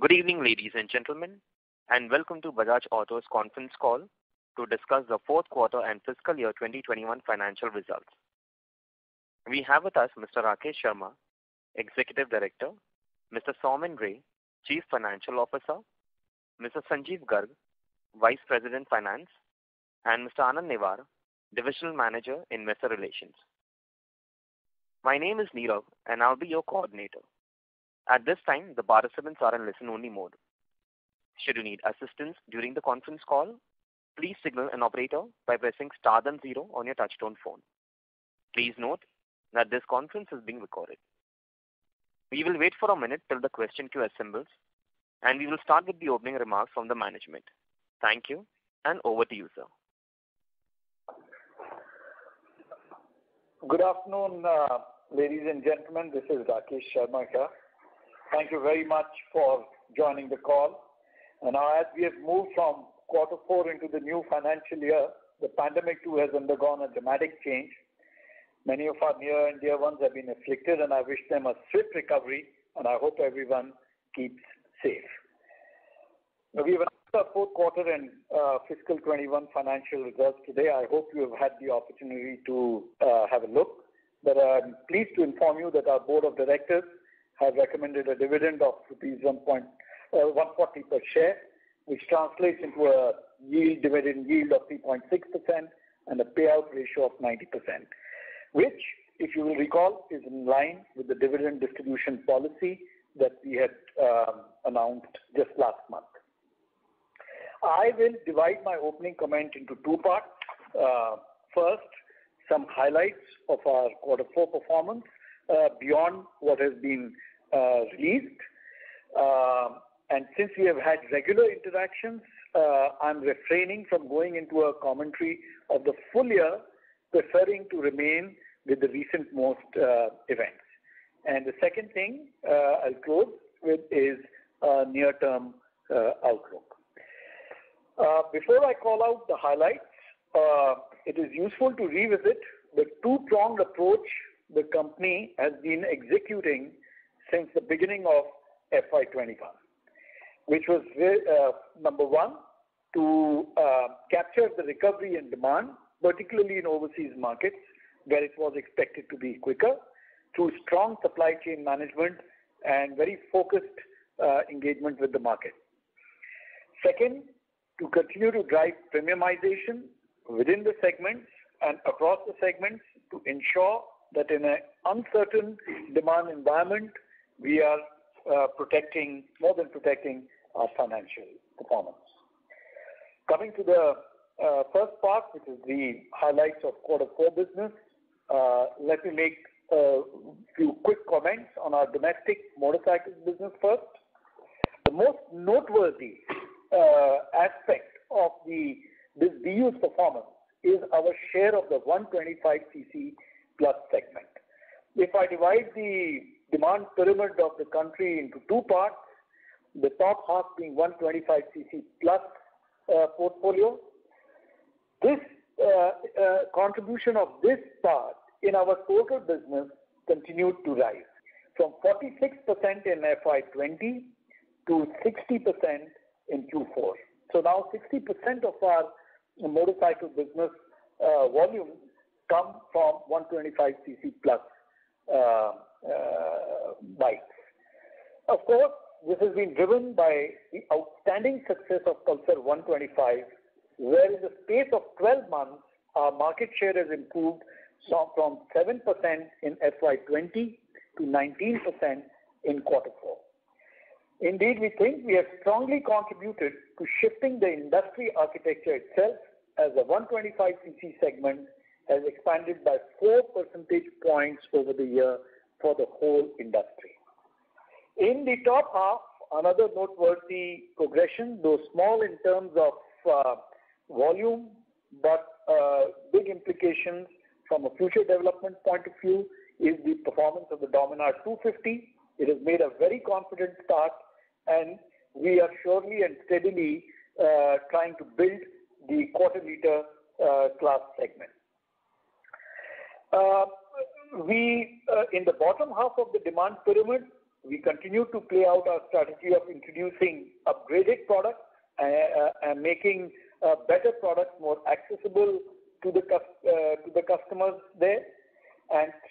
Good evening, ladies and gentlemen, and welcome to Bajaj Auto's conference call to discuss the fourth quarter and fiscal year 2021 financial results. We have with us Mr. Rakesh Sharma, Executive Director, Mr. Soumen Ray, Chief Financial Officer, Mr. Sanjeev Garg, Vice President, Finance, and Mr. Anand Newar, Divisional Manager in Investor Relations. My name is Nirav, and I'll be your coordinator. At this time, the participants are in listen-only mode. Should you need assistance during the conference call, please signal an operator by pressing star then zero on your touchtone phone. Please note that this conference is being recorded. We will wait for a minute till the question queue assembles, and we will start with the opening remarks from the management. Thank you, and over to you, sir. Good afternoon, ladies and gentlemen. This is Rakesh Sharma here. Thank you very much for joining the call. As we have moved from quarter four into the new financial year, the pandemic too has undergone a dramatic change. Many of our near and dear ones have been afflicted, and I wish them a swift recovery, and I hope everyone keeps safe. We will announce our fourth quarter and fiscal 2021 financial results today. I hope you have had the opportunity to have a look. I'm pleased to inform you that our Board of Directors has recommended a dividend of rupees 140 per share, which translates into a dividend yield of 3.6% and a payout ratio of 90%, which, if you will recall, is in line with the dividend distribution policy that we had announced just last month. I will divide my opening comment into two parts. First, some highlights of our quarter four performance beyond what has been released. Since we have had regular interactions, I'm refraining from going into a commentary of the full year, preferring to remain with the recent most events. The second thing I'll close with is near-term outlook. Before I call out the highlights, it is useful to revisit the two-pronged approach the company has been executing since the beginning of FY2021. Which was, number one, to capture the recovery and demand, particularly in overseas markets, where it was expected to be quicker, through strong supply chain management and very focused engagement with the market. Second, to continue to drive premiumization within the segments and across the segments to ensure that in an uncertain demand environment, we are more than protecting our financial performance. Coming to the first part, which is the highlights of quarter four business. Let me make a few quick comments on our domestic motorcycles business first. The most noteworthy aspect of this view's performance is our share of the 125cc+ segment. If I divide the demand pyramid of the country into two parts, the top half being 125cc+ portfolio. Contribution of this part in our total business continued to rise from 46% in FY2020 to 60% in Q4. Now 60% of our motorcycle business volume comes from 125cc+ bikes. Of course, this has been driven by the outstanding success of Pulsar 125, where in the space of 12 months, our market share has improved from 7% in FY2020 to 19% in quarter four. Indeed, we think we have strongly contributed to shifting the industry architecture itself as the 125cc segment has expanded by 4 percentage points over the year for the whole industry. In the top half, another noteworthy progression, though small in terms of volume, but big implications from a future development point of view, is the performance of the Dominar 250. It has made a very confident start, we are surely and steadily trying to build the quarter-liter class segment. In the bottom half of the demand pyramid, we continue to play out our strategy of introducing upgraded products and making better products more accessible to the customers there.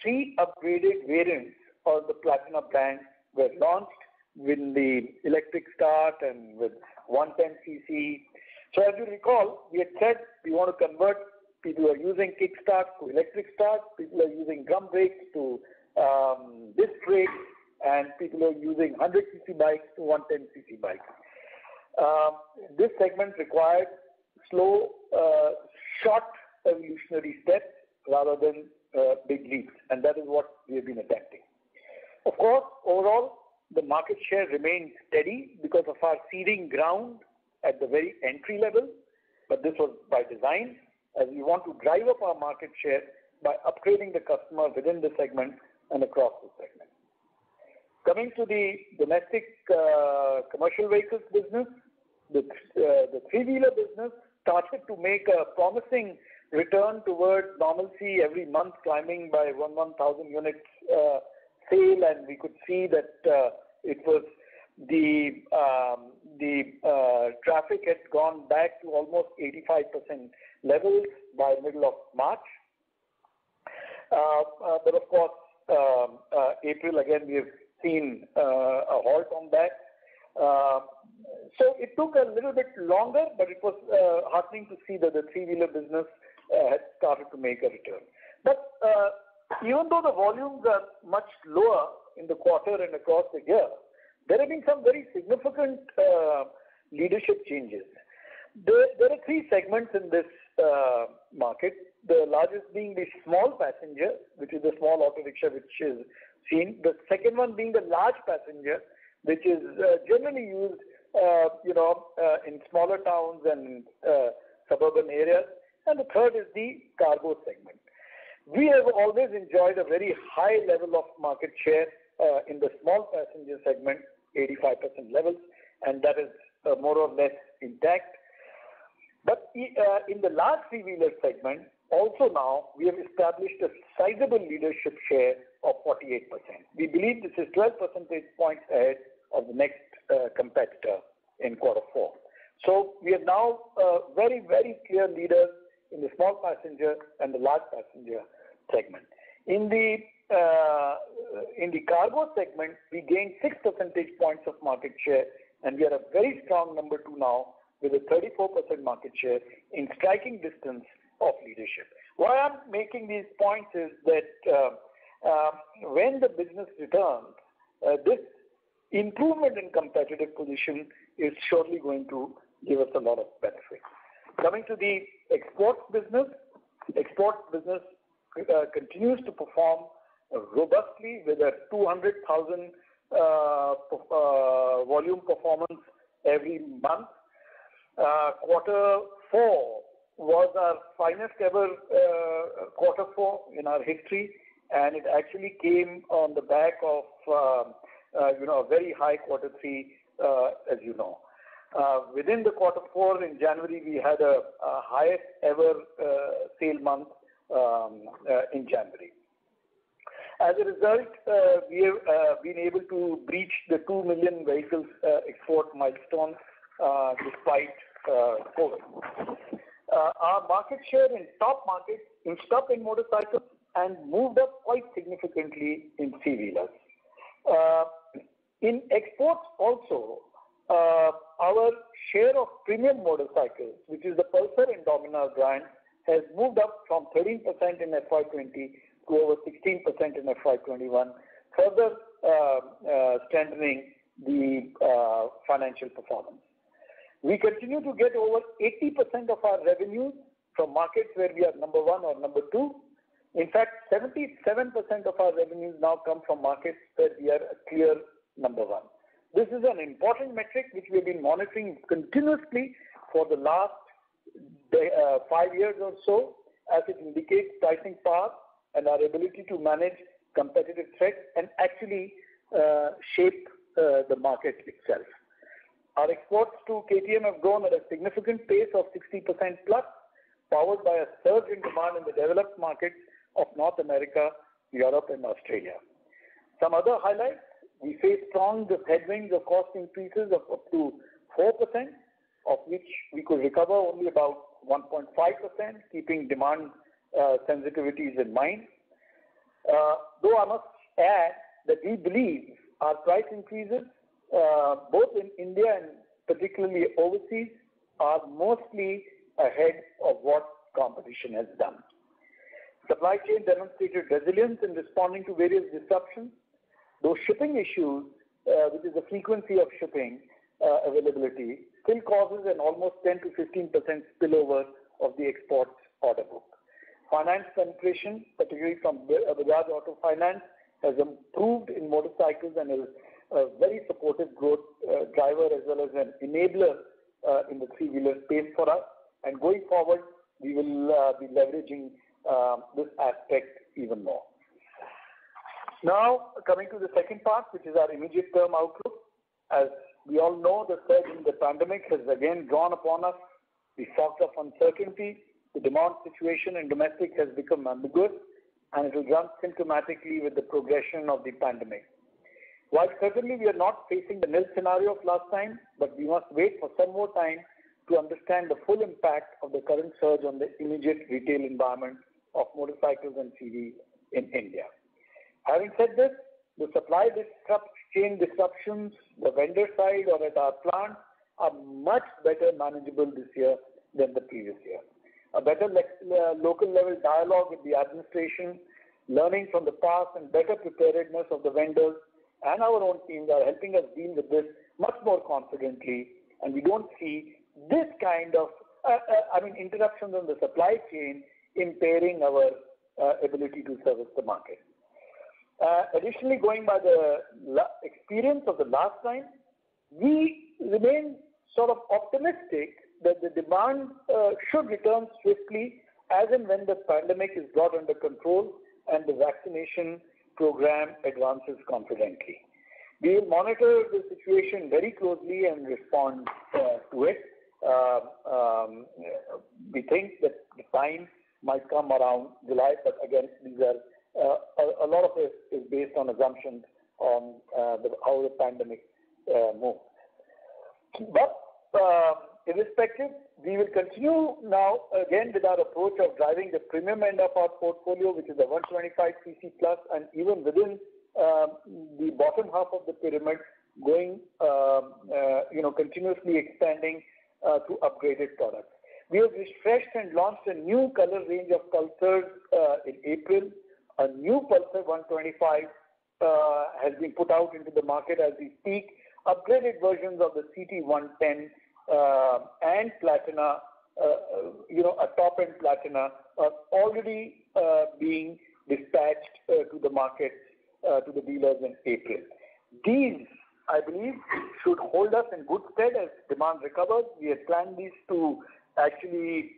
Three upgraded variants of the Platina brand were launched with the electric start and with 110cc. As you recall, we had said we want to convert people who are using kickstart to electric start, people who are using drum brakes to disc brakes, and people who are using 100cc bikes to 110cc bikes. This segment required slow, short evolutionary steps rather than big leaps, and that is what we have been attempting. Of course, overall, the market share remained steady because of our seeding ground at the very entry-level, but this was by design, as we want to drive up our market share by upgrading the customer within the segment and across the segment. Coming to the domestic commercial vehicles business. The three-wheeler business started to make a promising return towards normalcy every month, climbing by 1,000 units sale, and we could see that the traffic had gone back to almost 85% levels by middle of March. Of course, April, again, we've seen a halt on that. It took a little bit longer, but it was heartening to see that the three-wheeler business had started to make a return. Even though the volumes are much lower in the quarter and across the year, there have been some very significant leadership changes. There are three segments in this market, the largest being the small passenger, which is the small autorickshaw, which is seen. The second one being the large passenger, which is generally used in smaller towns and suburban areas. The third is the cargo segment. We have always enjoyed a very high level of market share in the small passenger segment, 85% levels, and that is more or less intact. In the large three-wheeler segment, also now, we have established a sizable leadership share of 48%. We believe this is 12 percentage points ahead of the next competitor in quarter four. We are now a very clear leader in the small passenger and the large passenger segment. In the cargo segment, we gained 6 percentage points of market share, and we are a very strong number two now with a 34% market share in striking distance of leadership. Why I'm making these points is that when the business returns, this improvement in competitive position is surely going to give us a lot of benefit. Coming to the exports business. Exports business continues to perform robustly with a 200,000 volume performance every month. Q4 was our finest ever Q4 in our history, and it actually came on the back of a very high Q3, as you know. Within the Q4 in January, we had our highest ever sale month in January. As a result, we have been able to breach the 2 million vehicles export milestone despite COVID. Our market share in top markets have stuck in motorcycles and moved up quite significantly in three-wheelers. In exports also, our share of premium motorcycles, which is the Pulsar and Dominar brand, has moved up from 13% in FY2020 to over 16% in FY2021, further strengthening the financial performance. We continue to get over 80% of our revenues from markets where we are number one or number two. In fact, 77% of our revenues now come from markets that we are a clear number one. This is an important metric which we have been monitoring continuously for the last five years or so, as it indicates pricing power and our ability to manage competitive threats and actually shape the market itself. Our exports to KTM have grown at a significant pace of 60%+, powered by a surge in demand in the developed markets of North America, Europe, and Australia. Some other highlights, we faced strong headwinds of cost increases of up to 4%, of which we could recover only about 1.5%, keeping demand sensitivities in mind. I must add that we believe our price increases, both in India and particularly overseas, are mostly ahead of what competition has done. Supply chain demonstrated resilience in responding to various disruptions, though shipping issues, which is the frequency of shipping availability, still causes an almost 10%-15% spillover of the exports order book. Finance penetration, particularly from Bajaj Auto Finance, has improved in motorcycles and is a very supportive growth driver as well as an enabler in the three-wheeler space for us. Going forward, we will be leveraging this aspect even more. Coming to the second part, which is our immediate-term outlook. As we all know, the surge in the pandemic has again drawn upon us. We faced uncertainty. The demand situation in domestic has become ambiguous, it will jump symptomatically with the progression of the pandemic. While presently, we are not facing the nil scenario of last time, we must wait for some more time to understand the full impact of the current surge on the immediate retail environment of motorcycles and CV in India. Having said this, the supply chain disruptions, the vendor side or at our plant, are much better manageable this year than the previous year. A better local-level dialogue with the administration, learning from the past, and better preparedness of the vendors and our own teams are helping us deal with this much more confidently, we don't see this kind of interruptions on the supply chain impairing our ability to service the market. Additionally, going by the experience of the last time, we remain sort of optimistic that the demand should return swiftly as and when the pandemic is brought under control and the vaccination program advances confidently. We will monitor the situation very closely and respond to it. We think that the time might come around July, again, a lot of this is based on assumptions on how the pandemic moves. Irrespective, we will continue now again with our approach of driving the premium end of our portfolio, which is the 125 cc+, and even within the bottom half of the pyramid, continuously expanding to upgraded product. We have refreshed and launched a new color range of Pulsars in April. A new Pulsar 125 has been put out into the market as we speak. Upgraded versions of the CT 110 and Platina, a top-end Platina, are already being dispatched to the market, to the dealers in April. These, I believe, should hold us in good stead as demand recovers. We had planned these to actually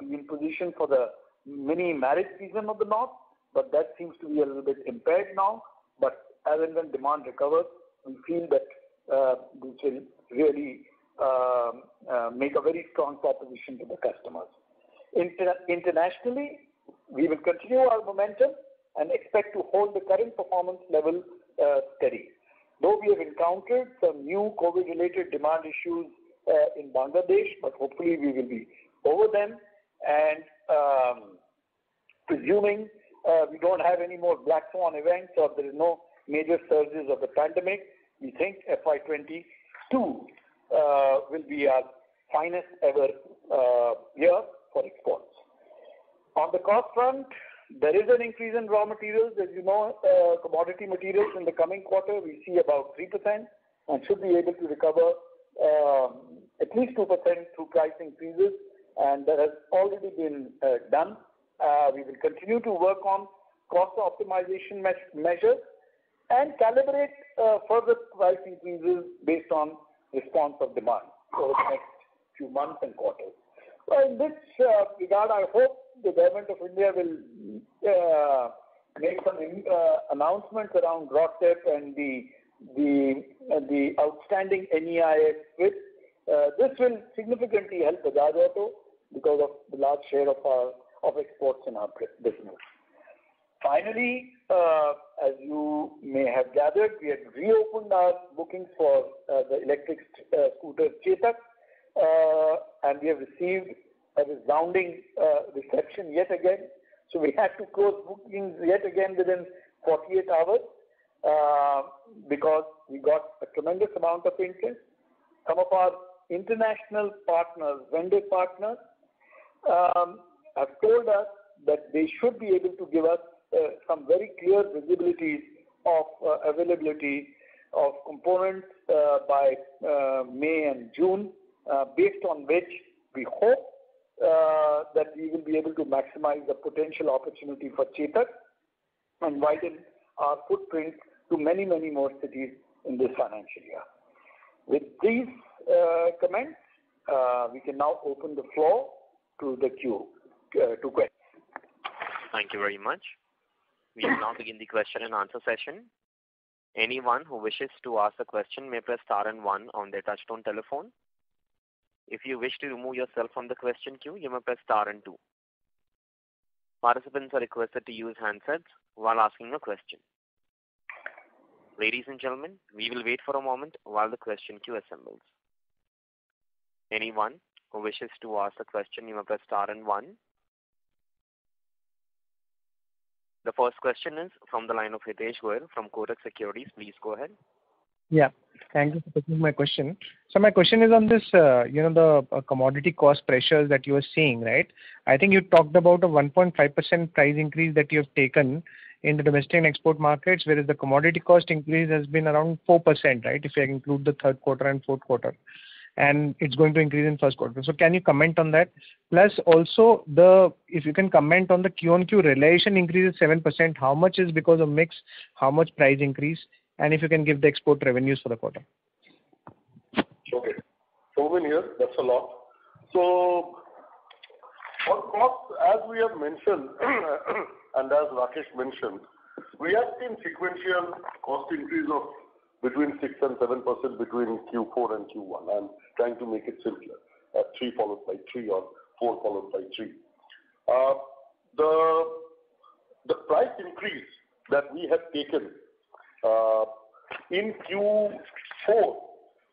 be in position for the mini marriage season of the north, but that seems to be a little bit impaired now. As and when demand recovers, we feel that this will really make a very strong proposition to the customers. Internationally, we will continue our momentum and expect to hold the current performance level steady. Though we have encountered some new COVID-related demand issues in Bangladesh, but hopefully we will be over them, and presuming we don't have any more black swan events or there is no major surges of the pandemic, we think FY2022 will be our finest ever year for exports. On the cost front, there is an increase in raw materials. As you know, commodity materials in the coming quarter, we see about 3%, and should be able to recover at least 2% through price increases, and that has already been done. We will continue to work on cost optimization measures and calibrate further price increases based on response of demand over the next few months and quarters. In this regard, I hope the Government of India will make some announcements around rates and the outstanding MEIS. This will significantly help Bajaj Auto because of the large share of exports in our business. Finally, as you may have gathered, we had reopened our booking for the electric scooter Chetak, and we have received a resounding reception yet again. We had to close bookings yet again within 48 hours because we got a tremendous amount of interest. Some of our international vendor partners have told us that they should be able to give us some very clear visibilities of availability of components by May and June, based on which we hope that we will be able to maximize the potential opportunity for Chetak and widen our footprint to many, many more cities in this financial year. With these comments, we can now open the floor to the queue, to questions. Thank you very much. We now begin the question and answer session. Anyone who wishes to ask a question may press star and one on their touch-tone telephone. If you wish to remove yourself from the question queue, you may press star and two. Participants are requested to use handsets while asking a question. Ladies and gentlemen, we will wait for a moment while the question queue assembles. Anyone who wishes to ask the question, you may press star and one. The first question is from the line of Hitesh Goel from Kotak Securities. Please go ahead. Thank you for taking my question. My question is on the commodity cost pressures that you are seeing, right? I think you talked about a 1.5% price increase that you have taken in the domestic and export markets, whereas the commodity cost increase has been around 4%, right? If you include the third quarter and fourth quarter. It's going to increase in first quarter. Can you comment on that? Also, if you can comment on the QoQ realization increase is 7%, how much is because of mix, how much price increase? If you can give the export revenues for the quarter. Sure. Over here, that's a lot. For cost, as we have mentioned and as Rakesh mentioned, we have seen sequential cost increase of between 6% and 7% between Q4 and Q1. I'm trying to make it simpler, three followed by three or four followed by three. The price increase that we have taken in Q4,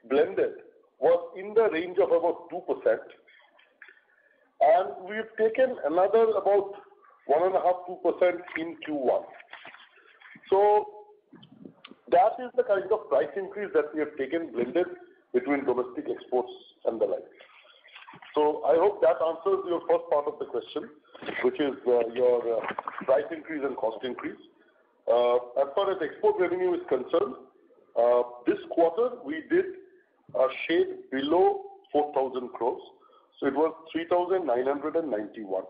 blended, was in the range of about 2%, and we've taken another about 1.5%-2% in Q1. That is the kind of price increase that we have taken blended between domestic exports and the like. I hope that answers your first part of the question, which is your price increase and cost increase. As far as export revenue is concerned, this quarter we did a shade below 4,000 crores. It was 3,991 crores.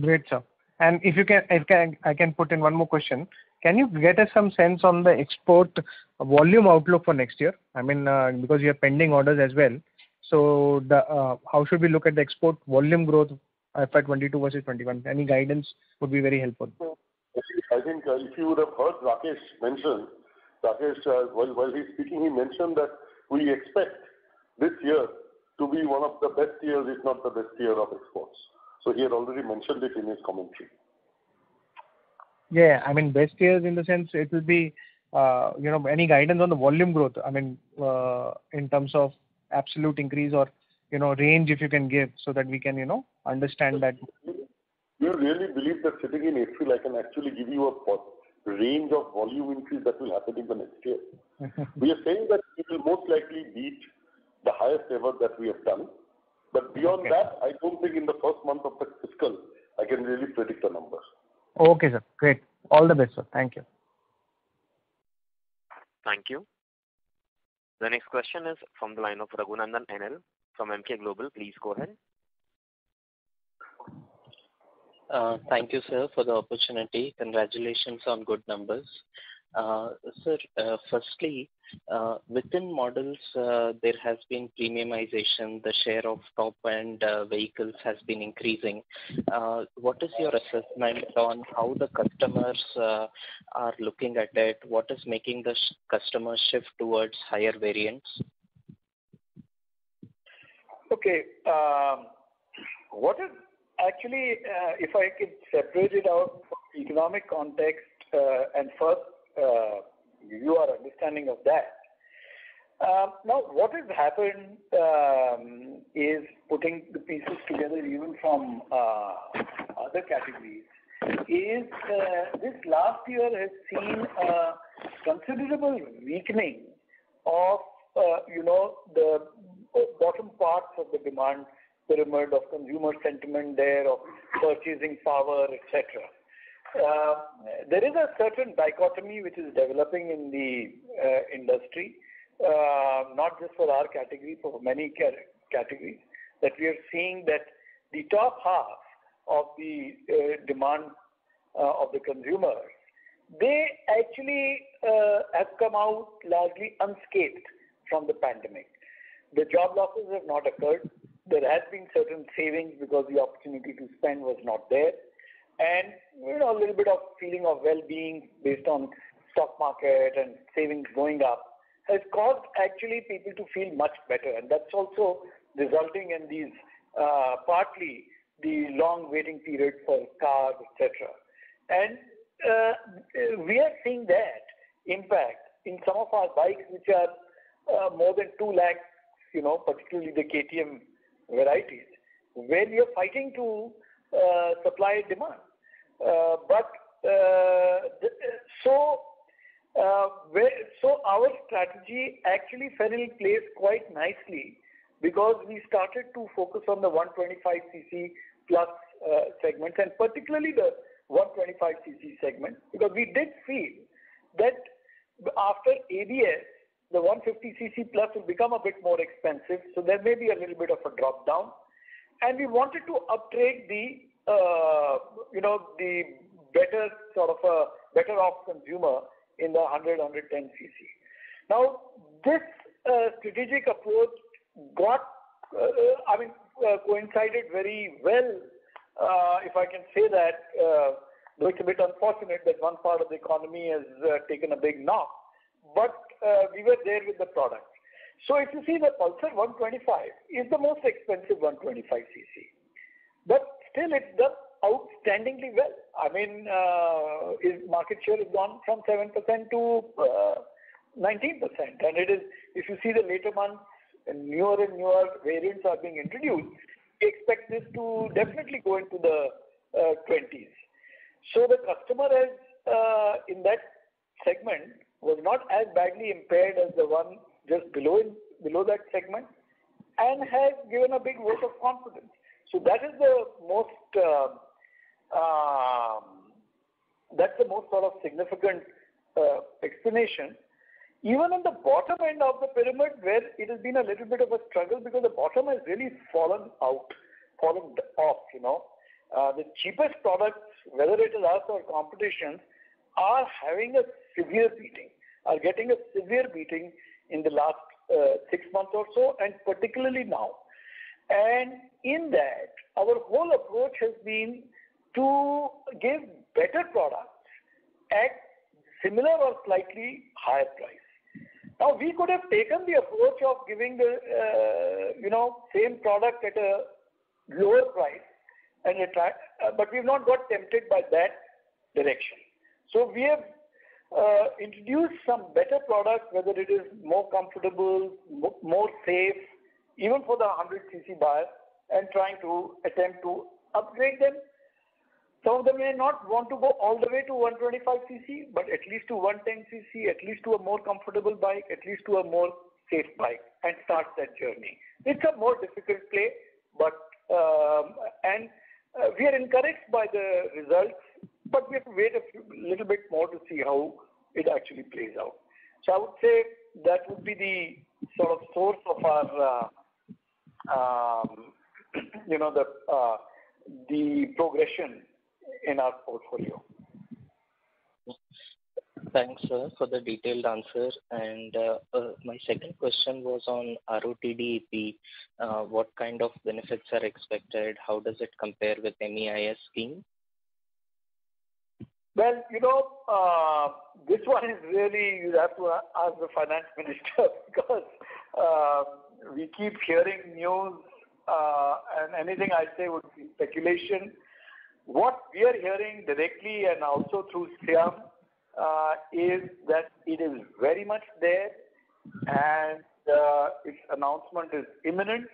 Great, sir. If I can put in one more question. Can you get us some sense on the export volume outlook for next year? I mean, because you have pending orders as well. How should we look at the export volume growth FY2022 versus 2021? Any guidance would be very helpful. I think if you would have heard Rakesh mention, while he's speaking, he mentioned that we expect this year to be one of the best years, if not the best year of exports. He had already mentioned it in his commentary. Yeah. I mean, any guidance on the volume growth, in terms of absolute increase or range if you can give so that we can understand that? Do you really believe that sitting in April, I can actually give you a range of volume increase that will happen in the next year? We are saying that it will most likely beat the highest ever that we have done. Beyond that, I don't think in the first month of the fiscal I can really predict a number. Okay, sir. Great. All the best, sir. Thank you. Thank you. The next question is from the line of Raghunandhan N. L. from Emkay Global. Please go ahead. Thank you, sir, for the opportunity. Congratulations on good numbers. Sir, firstly, within models, there has been premiumization. The share of top-end vehicles has been increasing. What is your assessment on how the customers are looking at it? What is making the customer shift towards higher variants? Okay. If I could separate it out from economic context, and first, your understanding of that. What has happened is putting the pieces together even from other categories is, this last year has seen a considerable weakening of the bottom parts of the demand pyramid of consumer sentiment there, of purchasing power, et cetera. There is a certain dichotomy which is developing in the industry. Not just for our category, for many categories. We are seeing that the top half of the demand of the consumer, they actually have come out largely unscathed from the pandemic. The job losses have not occurred. There has been certain savings because the opportunity to spend was not there. A little bit of feeling of wellbeing based on stock market and savings going up has caused actually people to feel much better. That's also resulting in these, partly, the long waiting period for cars, et cetera. We are seeing that, in fact, in some of our bikes which are more than 2 lakhs, particularly the KTM varieties, where we are fighting to supply demand. Our strategy actually fell in place quite nicely because we started to focus on the 125cc+ segments, and particularly the 125cc segment. We did feel that after ABS, the 150cc+ will become a bit more expensive, so there may be a little bit of a drop-down. We wanted to upgrade the better off consumer in the 100cc, 110cc. This strategic approach coincided very well, if I can say that, though it's a bit unfortunate that one part of the economy has taken a big knock, but we were there with the product. If you see the Pulsar 125 is the most expensive 125cc. Still it does outstandingly well. Its market share has gone from 7% to 19%. If you see the later months, newer and newer variants are being introduced, expect this to definitely go into the 20s. The customer in that segment was not as badly impaired as the one just below that segment, and has given a big vote of confidence. That's the most significant explanation. Even on the bottom end of the pyramid, where it has been a little bit of a struggle because the bottom has really fallen out, fallen off. The cheapest products, whether it is us or competition, are getting a severe beating in the last six months or so, and particularly now. In that, our whole approach has been to give better products at similar or slightly higher price. Now, we could have taken the approach of giving the same product at a lower price and attract, but we've not got tempted by that direction. We have introduced some better products, whether it is more comfortable, more safe, even for the 100cc buyer and trying to attempt to upgrade them. Some of them may not want to go all the way to 125cc, but at least to 110cc, at least to a more comfortable bike, at least to a more safe bike, and start that journey. It's a more difficult play. We are encouraged by the results, but we have to wait a little bit more to see how it actually plays out. I would say that would be the sort of source of the progression in our portfolio. Thanks, sir, for the detailed answer. My second question was on RoDTEP. What kind of benefits are expected? How does it compare with MEIS scheme? Well, this one is really, you have to ask the finance minister because we keep hearing news, and anything I say would be speculation. What we are hearing directly and also through SIAM, is that it is very much there, and its announcement is imminent.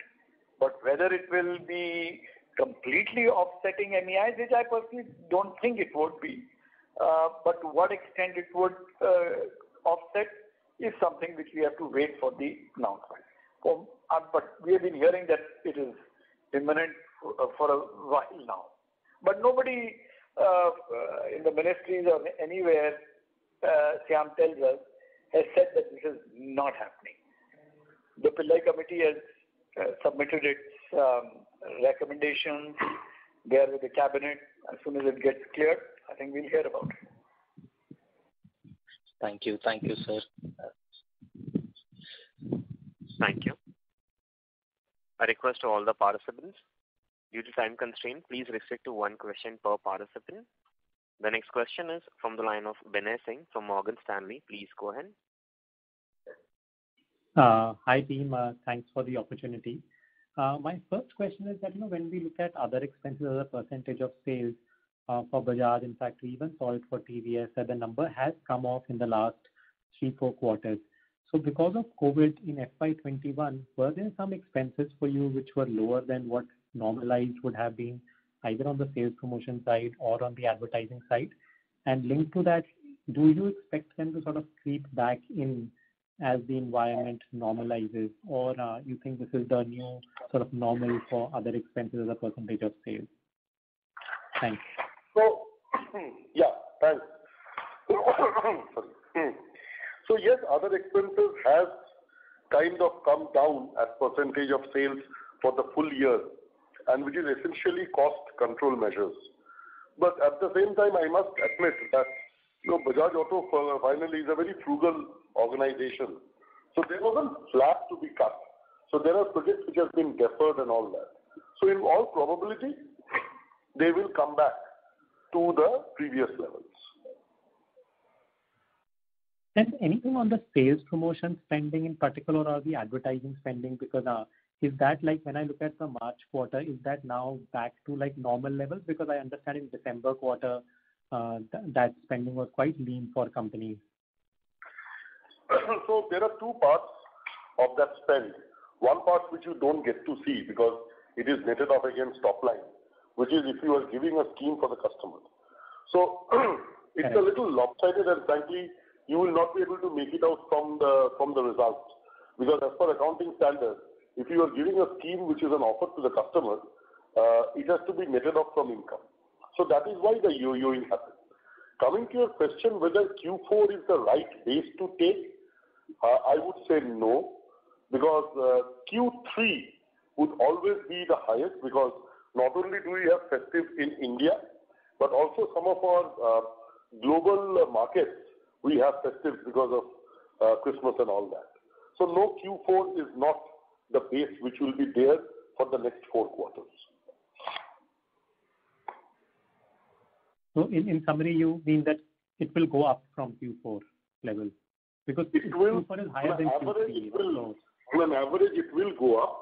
Whether it will be completely offsetting MEIS, which I personally don't think it would be, but to what extent it would offset is something which we have to wait for the announcement. We have been hearing that it is imminent for a while now. Nobody in the ministries or anywhere, SIAM tells us, has said that this is not happening. The Pillai Committee has submitted its recommendations. They are with the cabinet. As soon as it gets cleared, I think we'll hear about it. Thank you. Thank you, sir. Thank you. A request to all the participants, due to time constraint, please restrict to one question per participant. The next question is from the line of Binay Singh from Morgan Stanley. Please go ahead. Hi, team. Thanks for the opportunity. My first question is that, when we look at other expenses as a percentage of sales for Bajaj, in fact, we even saw it for TVS, that the number has come off in the last three, four quarters. Because of COVID in FY 2021, were there some expenses for you which were lower than what normalized would have been, either on the sales promotion side or on the advertising side? Linked to that, do you expect them to sort of creep back in as the environment normalizes, or you think this is the new normal for other expenses as a percentage of sales? Thanks. Yeah, thanks. Sorry. Yes, other expenses has kind of come down as percentage of sales for the full year. Which is essentially cost control measures. At the same time, I must admit that Bajaj Auto finally is a very frugal organization. There was a slack to be cut. There are projects which have been deferred and all that. In all probability, they will come back to the previous levels. Anything on the sales promotion spending in particular or the advertising spending? Is that like when I look at the March quarter, is that now back to normal levels? I understand in December quarter, that spending was quite lean for companies. There are two parts of that spend. One part, which you don't get to see because it is netted off against top line, which is if you are giving a scheme for the customer. It's a little lopsided, and frankly, you will not be able to make it out from the results, because as per accounting standards, if you are giving a scheme which is an offer to the customer, it has to be netted off from income. That is why the yo-yoing happens. Coming to your question, whether Q4 is the right base to take, I would say no, because Q3 would always be the highest because not only do we have festive in India, but also some of our global markets, we have festive because of Christmas and all that. So, Q4 is not the base which will be there for the next four quarters. In summary, you mean that it will go up from Q4 level because [coupon] is higher than Q3. On average, it will go up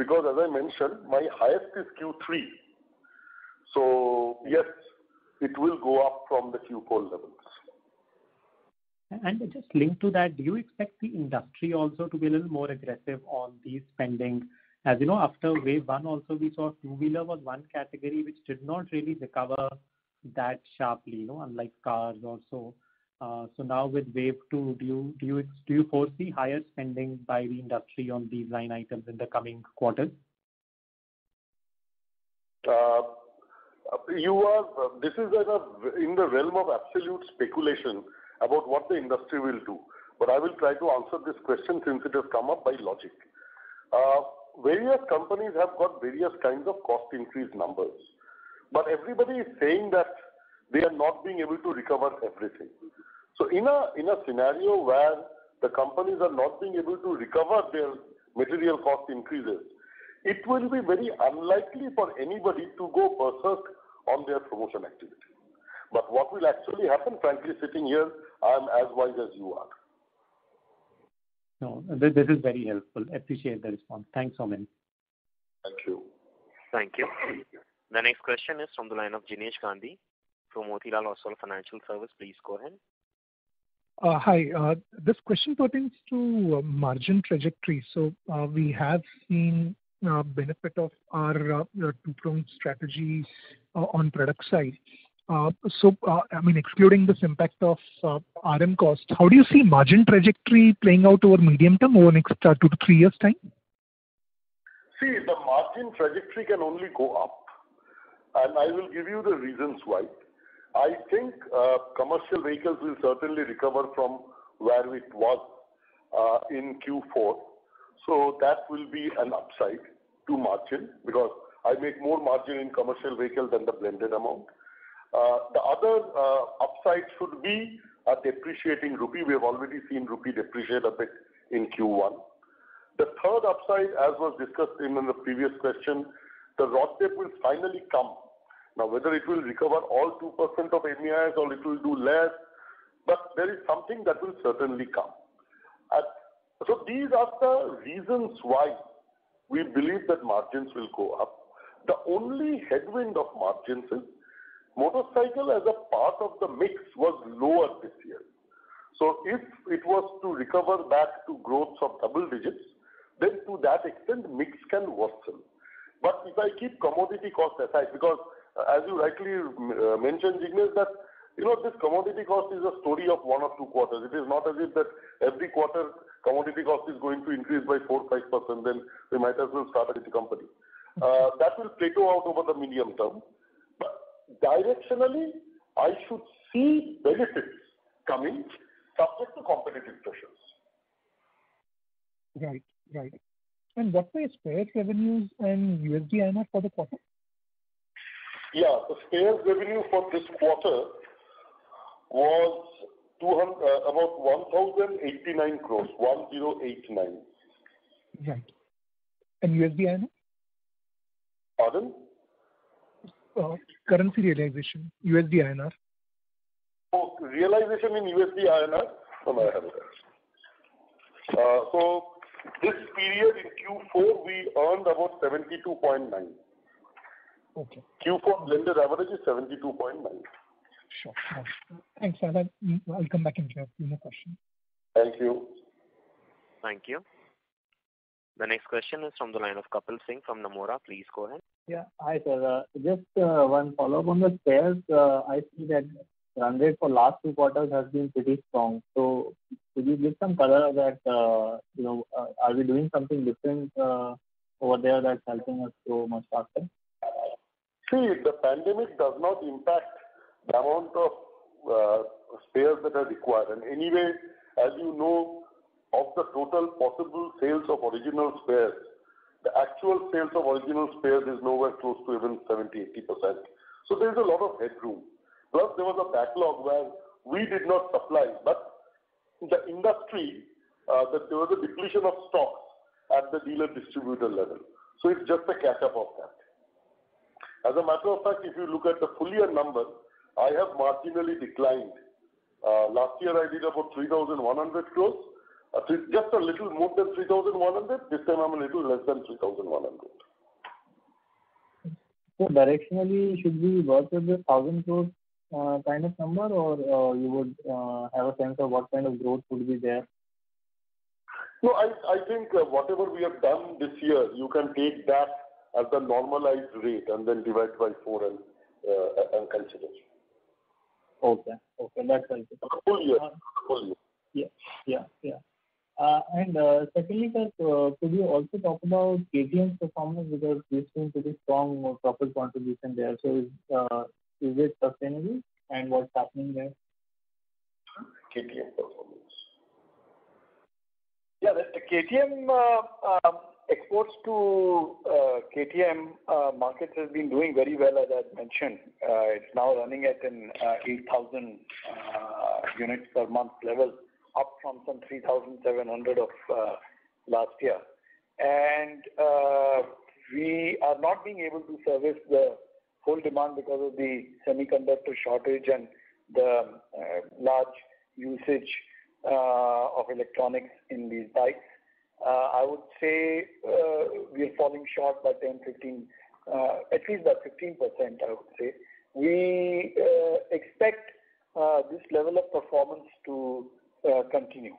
because as I mentioned, my highest is Q3. Yes, it will go up from the Q4 levels. Just linked to that, do you expect the industry also to be a little more aggressive on these spendings? You know, after wave one also, we saw two-wheeler was one category which did not really recover that sharply, unlike cars also. Now with wave two, do you foresee higher spending by the industry on these line items in the coming quarters? This is in the realm of absolute speculation about what the industry will do, I will try to answer this question since it has come up by logic. Various companies have got various kinds of cost increase numbers, everybody is saying that they are not being able to recover everything. In a scenario where the companies are not being able to recover their material cost increases, it will be very unlikely for anybody to go berserk on their promotion activity. What will actually happen, frankly, sitting here, I'm as wise as you are. No, this is very helpful. Appreciate the response. Thanks, Soumen. Thank you. Thank you. The next question is from the line of Jinesh Gandhi from Motilal Oswal Financial Services. Please go ahead. Hi. This question pertains to margin trajectory. We have seen benefit of our two-pronged strategy on product side. I mean, excluding this impact of RM cost, how do you see margin trajectory playing out over medium term, over next two to three years' time? See, the margin trajectory can only go up, and I will give you the reasons why. I think commercial vehicles will certainly recover from where it was in Q4. That will be an upside to margin, because I make more margin in commercial vehicles than the blended amount. The other upside should be a depreciating rupee. We have already seen rupee depreciate a bit in Q1. The third upside, as was discussed even in the previous question, the raw material will finally come. Now, whether it will recover all 2% of MEIS or it will do less, but there is something that will certainly come. These are the reasons why we believe that margins will go up. The only headwind of margins is motorcycle as a part of the mix was lower this year. If it was to recover back to growth of double digits, to that extent, mix can worsen. If I keep commodity cost aside, because as you rightly mentioned, Jinesh, that this commodity cost is a story of one or two quarters. It is not as if that every quarter commodity cost is going to increase by 4%, 5%, we might as well shut the company. That will plateau out over the medium term. Directionally, I should see benefits coming subject to competitive pressures. Right. What were your spares revenues in USD INR for the quarter? Yeah. The spares revenue for this quarter was about 1,089 crores. 1,089. Right. USD-INR? Pardon? Currency realization. USD-INR. Realization in USD-INR? Yes. This period in Q4, we earned about 72.9. Okay. Q4 blended average is 72.9. Sure. Thanks, sir. I'll come back in case I have any more questions. Thank you. Thank you. The next question is from the line of Kapil Singh from Nomura. Please go ahead. Yeah. Hi, sir. Just one follow-up on the spares. I think that the run rate for last two quarters has been pretty strong. Could you give some color that, are we doing something different over there that's helping us grow much faster? See, the pandemic does not impact the amount of spares that are required. And anyway, as you know, of the total possible sales of original spares, the actual sales of original spares is nowhere close to even 70%, 80%. There is a lot of headroom. Plus, there was a backlog where we did not supply, but in the industry, there was a depletion of stocks at the dealer distributor level. It's just a catch-up of that. As a matter of fact, if you look at the full year number, I have marginally declined. Last year I did about 3,100 crore. Just a little more than 3,100 crore. This time I'm a little less than 3,100 crore. Sir, directionally, should we work with a 1,000 crore kind of number, or you would have a sense of what kind of growth could be there? No, I think whatever we have done this year, you can take that as the normalized rate and then divide by four and consider. Okay. That's helpful. Full year. Yeah. Secondly, sir, could you also talk about KTM performance, because we've seen pretty strong profit contribution there. Is it sustainable and what's happening there? KTM performance. Yeah. The exports to KTM markets has been doing very well, as I mentioned. It's now running at an 8,000 units per month level, up from some 3,700 of last year. We are not being able to service the whole demand because of the semiconductor shortage and the large usage of electronics in these bikes. I would say we are falling short by 10%, 15%. At least by 15%, I would say. We expect this level of performance to continue.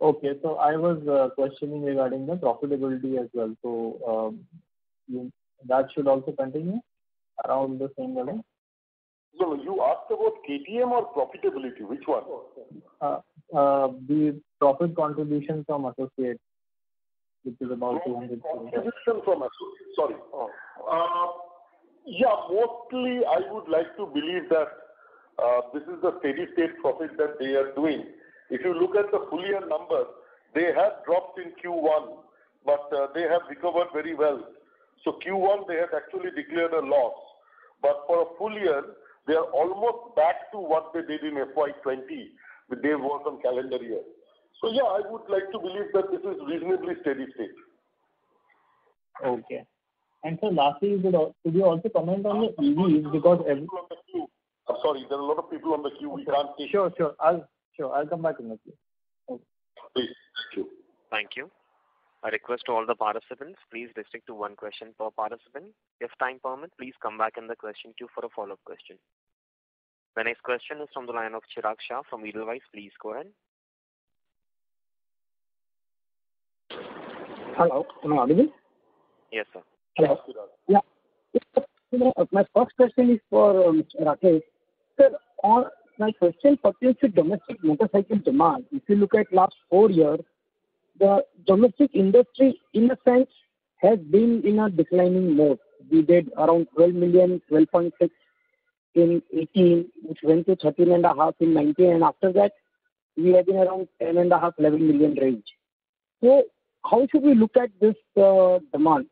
Okay. I was questioning regarding the profitability as well. That should also continue around the same way? No, you asked about KTM or profitability, which one? The profit contribution from associates, which is about. Contribution from associates. Sorry. Yeah, mostly I would like to believe that this is a steady state profit that they are doing. If you look at the full year numbers, they have dropped in Q1, but they have recovered very well. Q1, they have actually declared a loss. For a full year, they are almost back to what they did in FY 2020, but they've worked on calendar year. Yeah, I would like to believe that this is reasonably steady state. Okay. sir, lastly, could you also comment on the.... I'm sorry, there are a lot of people on the queue. Sure. I'll come back in the queue. Okay. Please. Thank you. Thank you. A request to all the participants, please restrict to one question per participant. If time permits, please come back in the question queue for a follow-up question. The next question is from the line of Chirag Shah from Edelweiss. Please go ahead. Hello. Am I audible? Yes, sir. Yeah. My first question is for Rakesh. Sir, my question pertains to domestic motorcycle demand. If you look at last four years. The domestic industry, in a sense, has been in a declining mode. We did around 12 million, 12.6 million in 2018, which went to 13.5 million in 2019, and after that we have been around 10.5 million-11 million range. How should we look at this demand?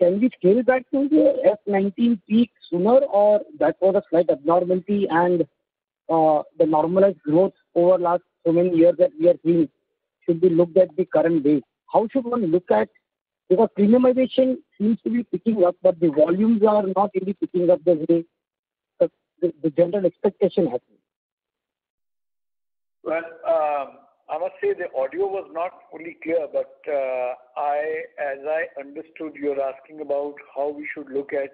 Can we scale back to the FY 2019 peak sooner, or that was a slight abnormality and the normalized growth over last so many years that we are seeing should be looked at the current day? How should one look at, because premiumization seems to be picking up, but the volumes are not really picking up the way that the general expectation has been. I must say the audio was not fully clear, but as I understood, you're asking about how we should look at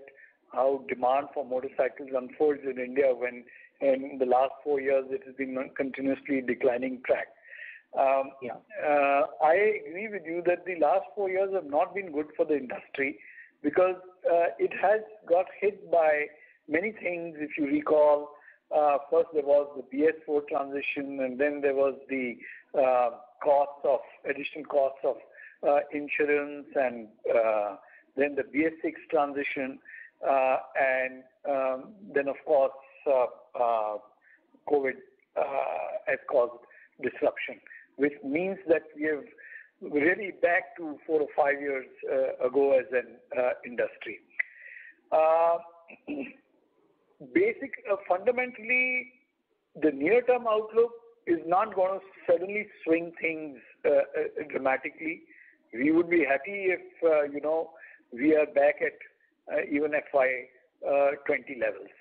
how demand for motorcycles unfolds in India when in the last four years it has been on a continuously declining track. Yeah. I agree with you that the last four years have not been good for the industry because it has got hit by many things. If you recall, first there was the BS4 transition, and then there was the additional cost of insurance, and then the BS6 transition, and then, of course, COVID has caused disruption, which means that we are really back to four or five years ago as an industry. Fundamentally, the near-term outlook is not going to suddenly swing things dramatically. We would be happy if we are back at even FY 2020 levels.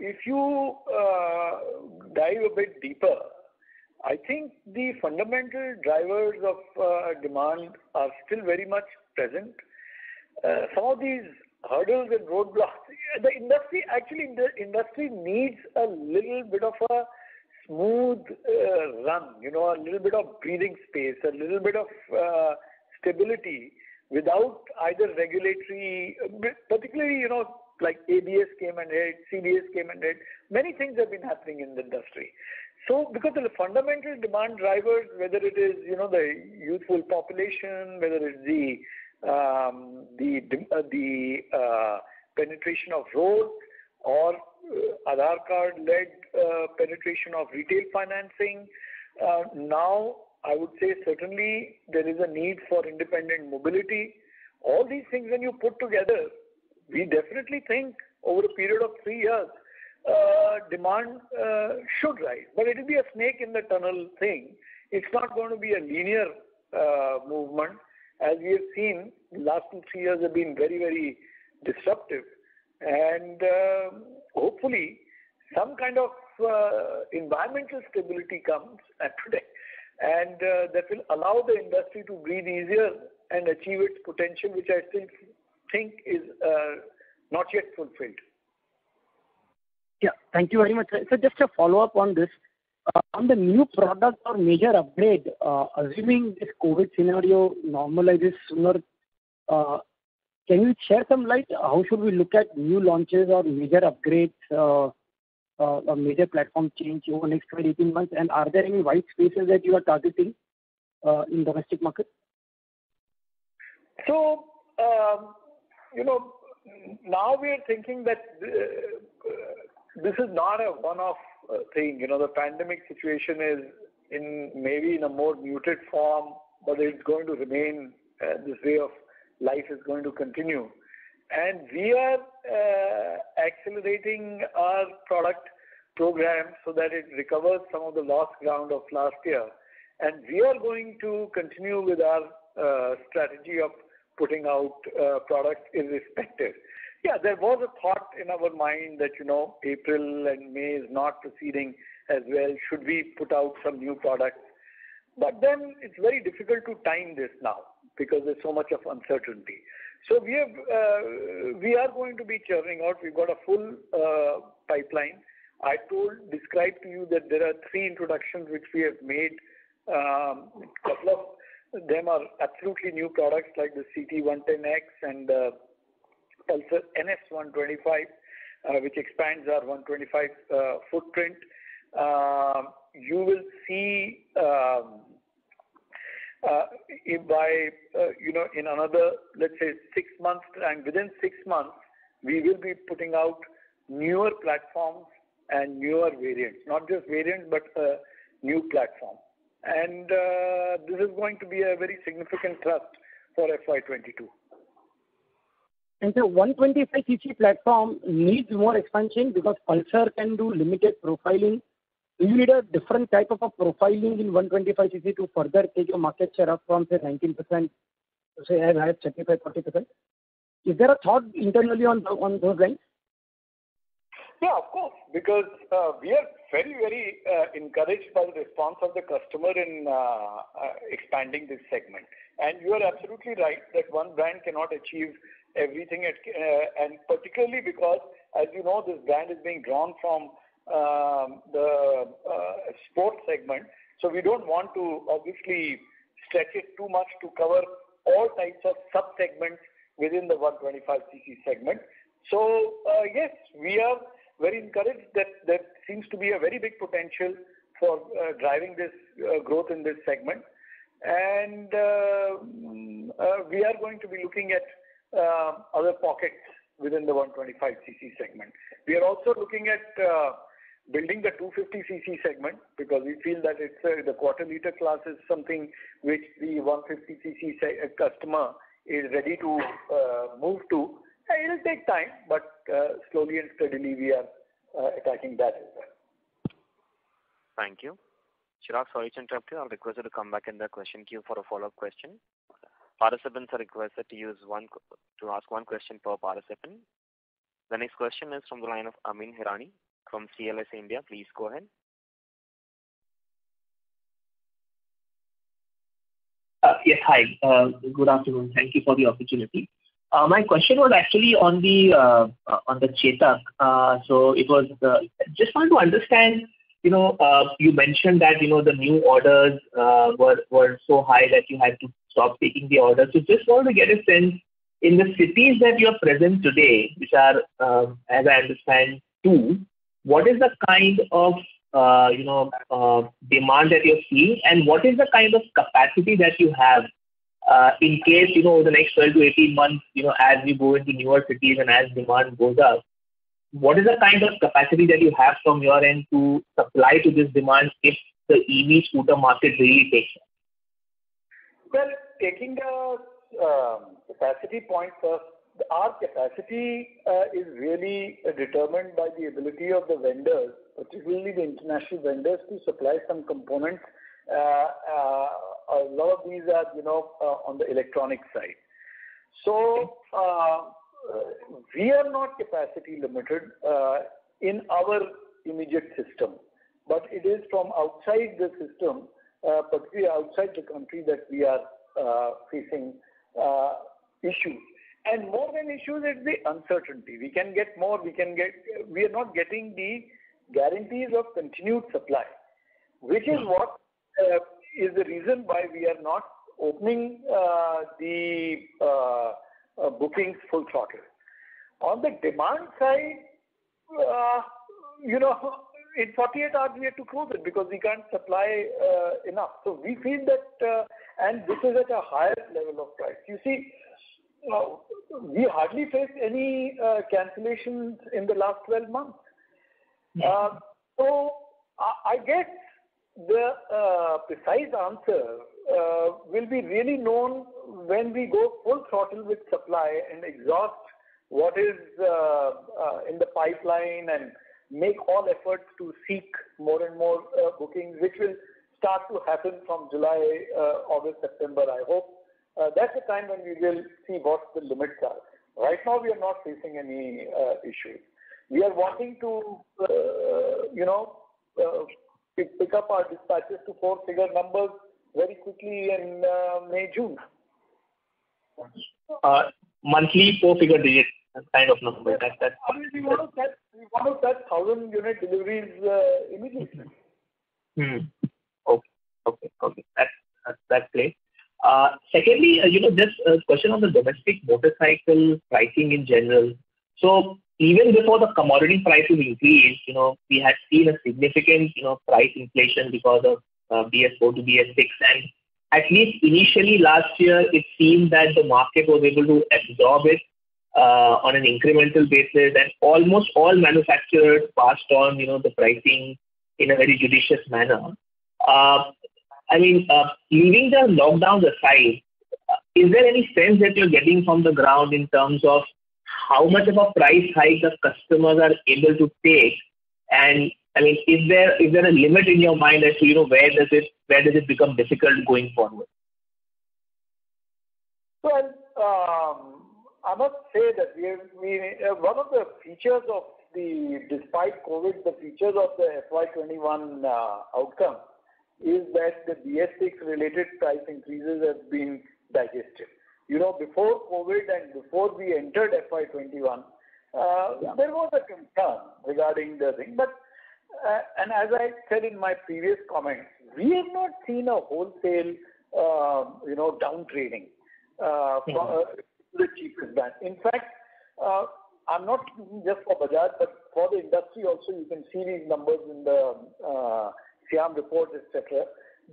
If you dive a bit deeper, I think the fundamental drivers of demand are still very much present. Some of these hurdles and roadblocks, actually, the industry needs a little bit of a smooth run, a little bit of breathing space, a little bit of stability without either regulatory Particularly, like ABS came and hit, CBS came and hit. Many things have been happening in the industry. Because of the fundamental demand drivers, whether it is the youthful population, whether it's the penetration of roads or Aadhaar card-led penetration of retail financing. Now, I would say certainly there is a need for independent mobility. All these things, when you put together, we definitely think over a period of three years, demand should rise. It will be a snake in the tunnel thing. It's not going to be a linear movement. As we have seen, the last two, three years have been very disruptive. Hopefully, some kind of environmental stability comes today and that will allow the industry to breathe easier and achieve its potential, which I think is not yet fulfilled. Yeah. Thank you very much. Sir, just a follow-up on this. On the new product or major upgrade, assuming this COVID scenario normalizes sooner, can you share some light how should we look at new launches or major upgrades or major platform change over next 12, 18 months? Are there any white spaces that you are targeting in domestic market? Now we are thinking that this is not a one-off thing. The pandemic situation is in maybe in a more muted form, but it's going to remain, this way of life is going to continue. We are accelerating our product program so that it recovers some of the lost ground of last year. We are going to continue with our strategy of putting out products irrespective. Yeah, there was a thought in our mind that April and May is not proceeding as well. Should we put out some new products? It's very difficult to time this now because there's so much of uncertainty. We are going to be churning out. We've got a full pipeline. I described to you that there are three introductions which we have made. A couple of them are absolutely new products, like the CT 110X and the Pulsar NS 125, which expands our 125 footprint. You will see in another, let's say six months, and within six months, we will be putting out newer platforms and newer variants. Not just variants, but new platform. This is going to be a very significant thrust for FY 2022. Sir, 125cc platform needs more expansion because Pulsar can do limited profiling. Do you need a different type of a profiling in 125cc to further take your market share up from, say, 19% to, say, as high as 35%, 40%? Is there a thought internally on those lines? Yeah, of course, because we are very encouraged by the response of the customer in expanding this segment. You are absolutely right that one brand cannot achieve everything. Particularly because, as you know, this brand is being drawn from the sports segment. We don't want to obviously stretch it too much to cover all types of sub-segments within the 125cc segment. Yes, we are very encouraged that there seems to be a very big potential for driving this growth in this segment. We are going to be looking at other pockets within the 125cc segment. We are also looking at building the 250cc segment because we feel that the quarter liter class is something which the 150cc customer is ready to move to. It'll take time, but slowly and steadily, we are attacking that as well. Thank you. Chirag, sorry to interrupt you. I'll request you to come back in the question queue for a follow-up question. Okay. Participants are requested to ask one question per participant. The next question is from the line of Amyn Pirani from CLSA India. Please go ahead. Yes. Hi. Good afternoon. Thank you for the opportunity. My question was actually on the Chetak. Just want to understand, you mentioned that the new orders were so high that you had to stop taking the orders. Just wanted to get a sense, in the cities that you're present today, which are, as I understand, two, what is the kind of demand that you're seeing and what is the kind of capacity that you have, in case, over the next 12-18 months, as we go into newer cities and as demand goes up, what is the kind of capacity that you have from your end to supply to this demand if the EV scooter market really takes off? Well, taking the capacity point first. Our capacity is really determined by the ability of the vendors, particularly the international vendors, to supply some components. A lot of these are on the electronic side. Okay. We are not capacity limited in our immediate system. It is from outside the system, particularly outside the country, that we are facing issues. More than issues, it's the uncertainty. We are not getting the guarantees of continued supply, which is the reason why we are not opening the bookings full throttle. On the demand side, in 48 hours, we had to close it because we can't supply enough. This is at a highest level of price. You see, we hardly faced any cancellations in the last 12 months. Yeah. I guess the precise answer will be really known when we go full throttle with supply and exhaust what is in the pipeline and make all efforts to seek more and more bookings, which will start to happen from July, August, September, I hope. That's the time when we will see what the limits are. Right now, we are not facing any issues. We are wanting to pick up our dispatches to four-figure numbers very quickly in May, June. Monthly four-figure digits kind of number. Amyn, we want to touch 1,000 unit deliveries immediately. Okay. That's clear. Just a question on the domestic motorcycle pricing in general. Even before the commodity pricing increased, we had seen a significant price inflation because of BS4 to BS6. At least initially last year, it seemed that the market was able to absorb it on an incremental basis, and almost all manufacturers passed on the pricing in a very judicious manner. Leaving the lockdown aside, is there any sense that you're getting from the ground in terms of how much of a price hike the customers are able to take? Is there a limit in your mind as to where does it become difficult going forward? Well, I must say that one of the features despite COVID, the features of the FY 2021 outcome is that the BS6 related price increases have been digested. Before COVID and before we entered FY 2021, there was a concern regarding the thing. As I said in my previous comments, we have not seen a wholesale down-trading-to the cheapest variant. In fact, I'm not speaking just for Bajaj, but for the industry also, you can see these numbers in the SIAM report, et cetera.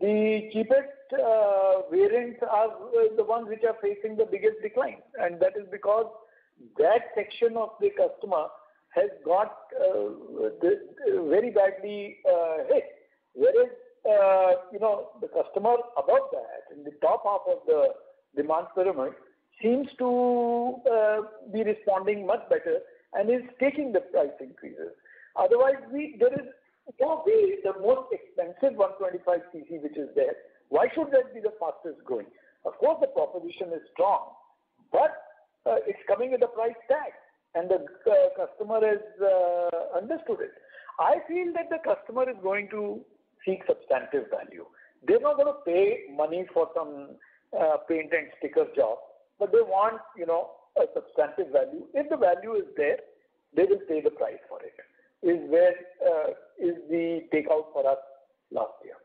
The cheapest variants are the ones which are facing the biggest decline. That is because that section of the customer has got very badly hit. Whereas, the customer above that, in the top half of the demand pyramid, seems to be responding much better and is taking the price increases. There is no way the most expensive 125cc, which is there, why should that be the fastest growing? Of course, the proposition is strong, but it's coming with a price tag, and the customer has understood it. I feel that the customer is going to seek substantive value. They're not going to pay money for some paint and sticker job, but they want a substantive value. If the value is there, they will pay the price for it, is the takeout for us last year.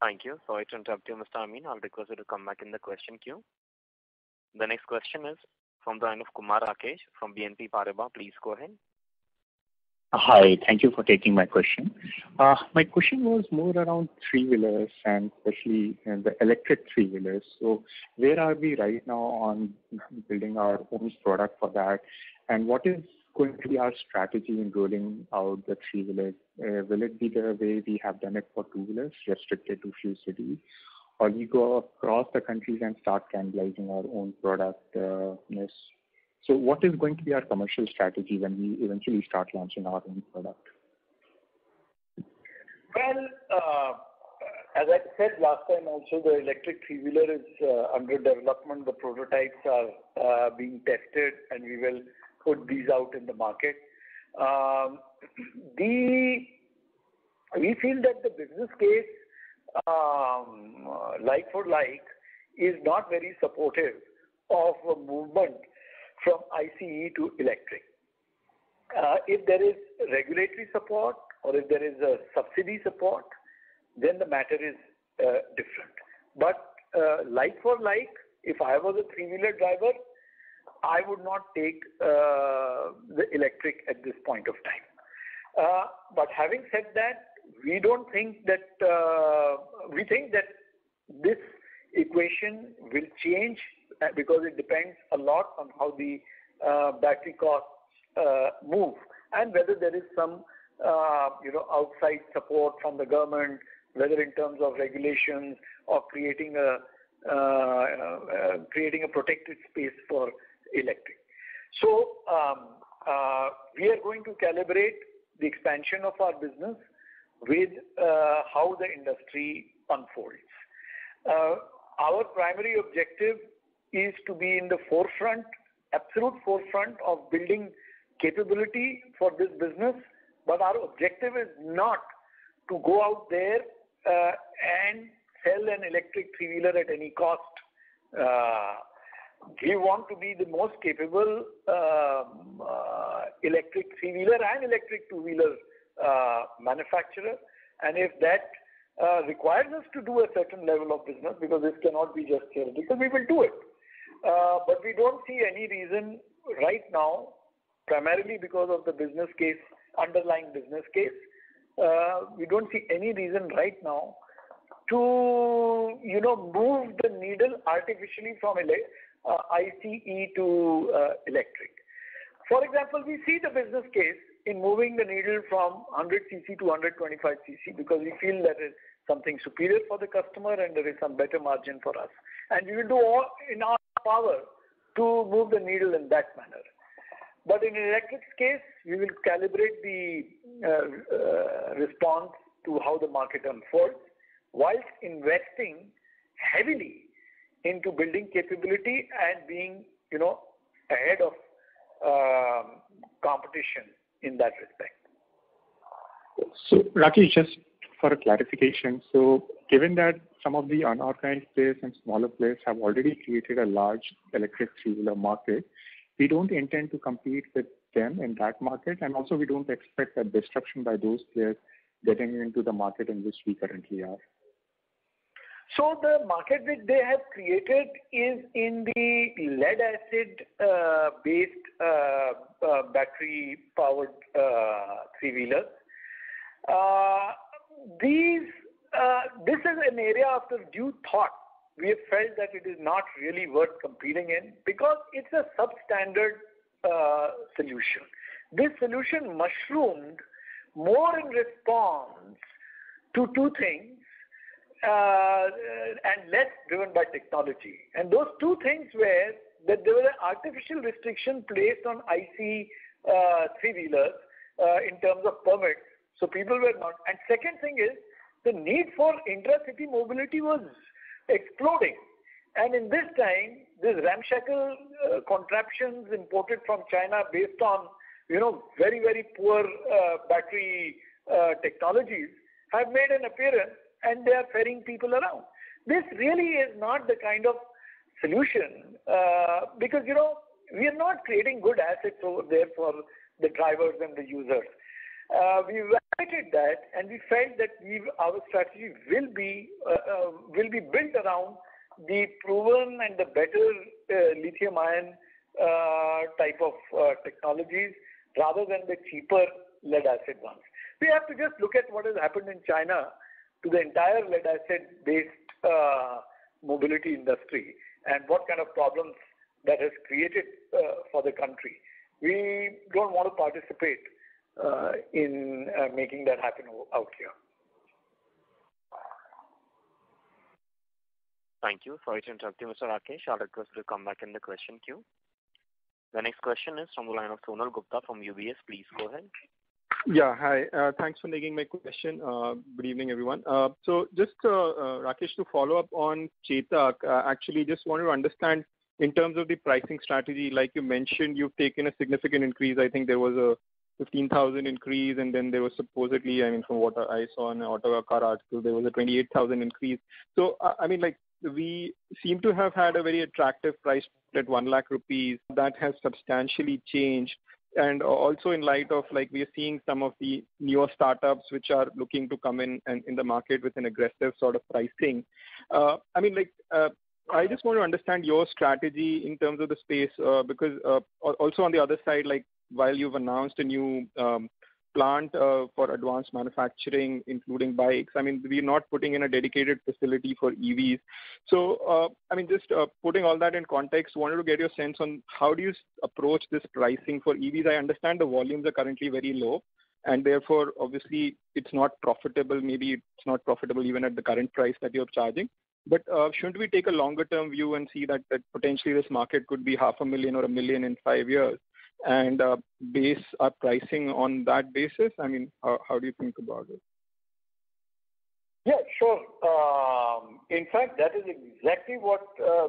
Thank you. Sorry to interrupt you, Mr. Amyn. I'll request you to come back in the question queue. The next question is from the line of Kumar Rakesh from BNP Paribas. Please go ahead. Hi. Thank you for taking my question. My question was more around three-wheelers and especially the electric three-wheelers. Where are we right now on building our own product for that, and what is going to be our strategy in rolling out the three-wheeler? Will it be the way we have done it for two-wheelers restricted to few cities, or we go across the countries and start cannibalizing our own product? What is going to be our commercial strategy when we eventually start launching our own product? Well, as I said last time also, the electric three-wheeler is under development. The prototypes are being tested. We will put these out in the market. We feel that the business case, like for like, is not very supportive of a movement from ICE to electric. If there is regulatory support or if there is a subsidy support, the matter is different. Like for like, if I was a three-wheeler driver, I would not take the electric at this point of time. Having said that, we think that this equation will change because it depends a lot on how the battery costs move and whether there is some outside support from the government, whether in terms of regulations or creating a protected space for electric. We are going to calibrate the expansion of our business with how the industry unfolds. Our primary objective is to be in the absolute forefront of building capability for this business, but our objective is not to go out there and sell an electric three-wheeler at any cost. We want to be the most capable electric three-wheeler and electric two-wheeler manufacturer, and if that requires us to do a certain level of business, because this cannot be just theoretical, we will do it. We don't see any reason right now, primarily because of the underlying business case. We don't see any reason right now to move the needle artificially from ICE to electric. For example, we see the business case in moving the needle from 100cc to 125cc because we feel that it's something superior for the customer and there is some better margin for us. We will do in our power to move the needle in that manner. In electric case, we will calibrate the response to how the market unfolds whilst investing heavily into building capability and being ahead of competition in that respect. Rakesh, just for a clarification. Given that some of the unorganized players and smaller players have already created a large electric three-wheeler market, we don't intend to compete with them in that market, and also we don't expect a disruption by those players getting into the market in which we currently are? The market which they have created is in the lead acid-based battery powered three-wheeler. This is an area after due thought, we have felt that it is not really worth competing in because it's a substandard solution. This solution mushroomed more in response to two things, and less driven by technology. Those two things were that there was an artificial restriction placed on ICE three-wheelers in terms of permits. Second thing is the need for intra-city mobility was exploding. In this time, these ramshackle contraptions imported from China based on very poor battery technologies have made an appearance, and they are ferrying people around. This really is not the kind of solution, because we are not creating good assets over there for the drivers and the users. We evaluated that, we felt that our strategy will be built around the proven and the better lithium ion type of technologies rather than the cheaper lead acid ones. We have to just look at what has happened in China to the entire lead acid-based mobility industry and what kind of problems that has created for the country. We don't want to participate in making that happen out here. Thank you. Sorry to interrupt you, Mr. Rakesh. I request you to come back in the question queue. The next question is from the line of Sonal Gupta from UBS. Please go ahead. Yeah, hi. Thanks for taking my question. Good evening, everyone. Just, Rakesh, to follow up on Chetak, actually, just want to understand in terms of the pricing strategy, like you mentioned, you've taken a significant increase. I think there was a 15,000 increase, and then there was supposedly, I mean, from what I saw in an Autocar article, there was a 28,000 increase. We seem to have had a very attractive price at 1 lakh rupees. That has substantially changed. Also in light of, we are seeing some of the newer startups which are looking to come in the market with an aggressive sort of pricing. I just want to understand your strategy in terms of the space. Also on the other side, while you've announced a new plant for advanced manufacturing, including bikes, we're not putting in a dedicated facility for EVs. Just putting all that in context, wanted to get your sense on how do you approach this pricing for EVs? I understand the volumes are currently very low, and therefore, obviously, it's not profitable. Maybe it's not profitable even at the current price that you're charging. Shouldn't we take a longer-term view and see that potentially this market could be half a million or a million in five years, and base our pricing on that basis? How do you think about it? Yeah, sure. In fact, that is exactly what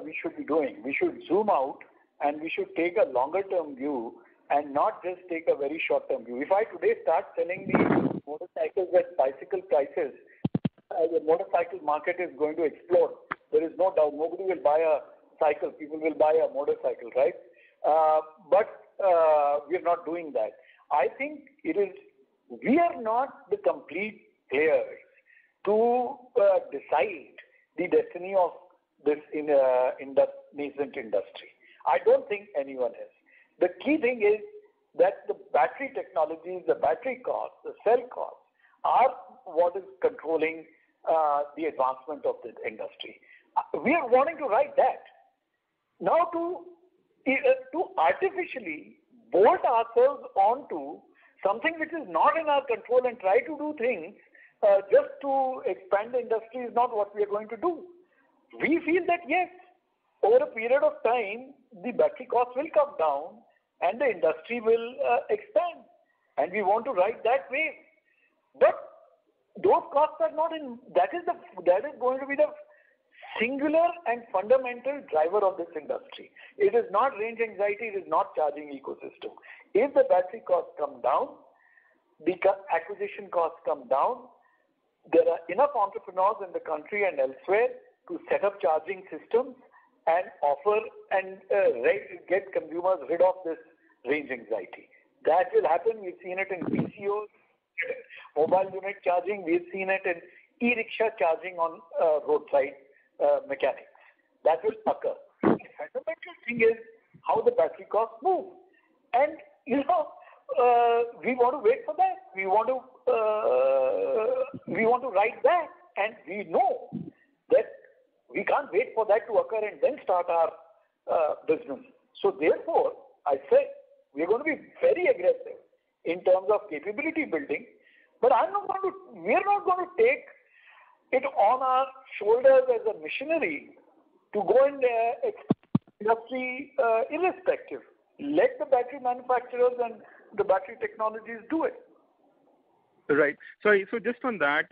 we should be doing. We should zoom out, and we should take a longer term view and not just take a very short term view. If I today start selling the motorcycles at bicycle prices, the motorcycle market is going to explode. There is no doubt. Nobody will buy a cycle. People will buy a motorcycle, right? We are not doing that. I think we are not the complete players to decide the destiny of this nascent industry. I don't think anyone is. The key thing is that the battery technologies, the battery cost, the cell cost, are what is controlling the advancement of this industry. We are wanting to ride that. Now to artificially bolt ourselves onto something which is not in our control and try to do things, just to expand the industry is not what we are going to do. We feel that, yes, over a period of time, the battery cost will come down, and the industry will expand, and we want to ride that wave. Those costs are going to be the singular and fundamental driver of this industry. It is not range anxiety. It is not charging ecosystem. If the battery costs come down, the acquisition costs come down. There are enough entrepreneurs in the country and elsewhere to set up charging systems and offer and get consumers rid of this range anxiety. That will happen. We've seen it in [BCOs], mobile unit charging. We've seen it in e-rickshaw charging on roadside mechanics. That will occur. The fundamental thing is how the battery costs move. We want to wait for that. We want to ride that, and we know that we can't wait for that to occur and then start our business. Therefore, I said, we're going to be very aggressive in terms of capability building, but we're not going to take it on our shoulders as a missionary to go and expand the industry irrespective. Let the battery manufacturers and the battery technologies do it. Right. just on that,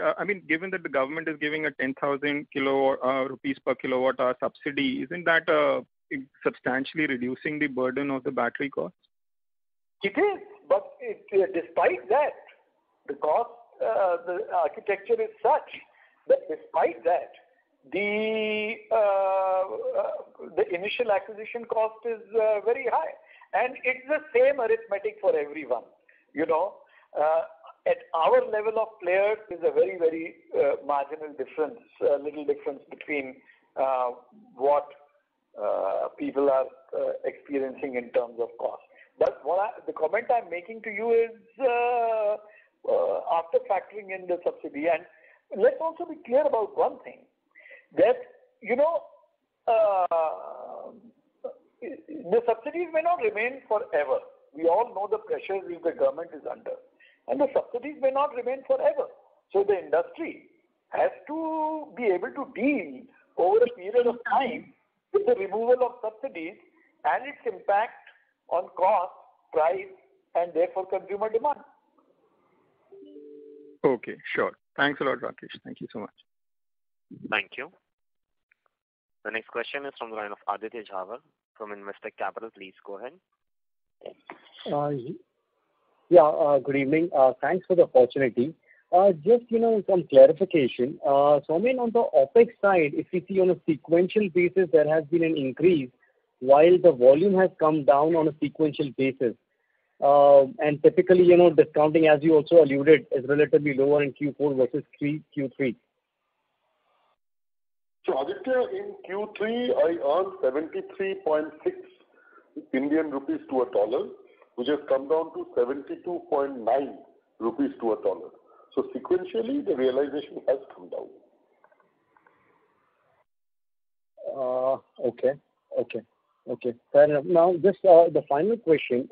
given that the government is giving a 10,000 rupees per kWh subsidy, isn't that substantially reducing the burden of the battery cost? It is. Despite that, the architecture is such that despite that, the initial acquisition cost is very high, and it's the same arithmetic for everyone. At our level of players, there's a very marginal difference, little difference between what people are experiencing in terms of cost. The comment I'm making to you is, after factoring in the subsidy, and let's also be clear about one thing, that the subsidies may not remain forever. We all know the pressures which the government is under, the subsidies may not remain forever. The industry has to be able to deal over a period of time with the removal of subsidies and its impact on cost, price, and therefore, consumer demand. Okay, sure. Thanks a lot, Rakesh. Thank you so much. Thank you. The next question is from the line of Aditya Jhawar from Investec Capital. Please go ahead. Good evening. Thanks for the opportunity. Just some clarification. Soumen, on the OpEx side, if we see on a sequential basis, there has been an increase while the volume has come down on a sequential basis. Typically, discounting, as you also alluded, is relatively lower in Q4 versus Q3. Aditya, in Q3, I earned INR 73.6 to a USD, which has come down to INR 72.9 to a USD. Sequentially, the realization has come down. Okay. Fair enough. Just the final question.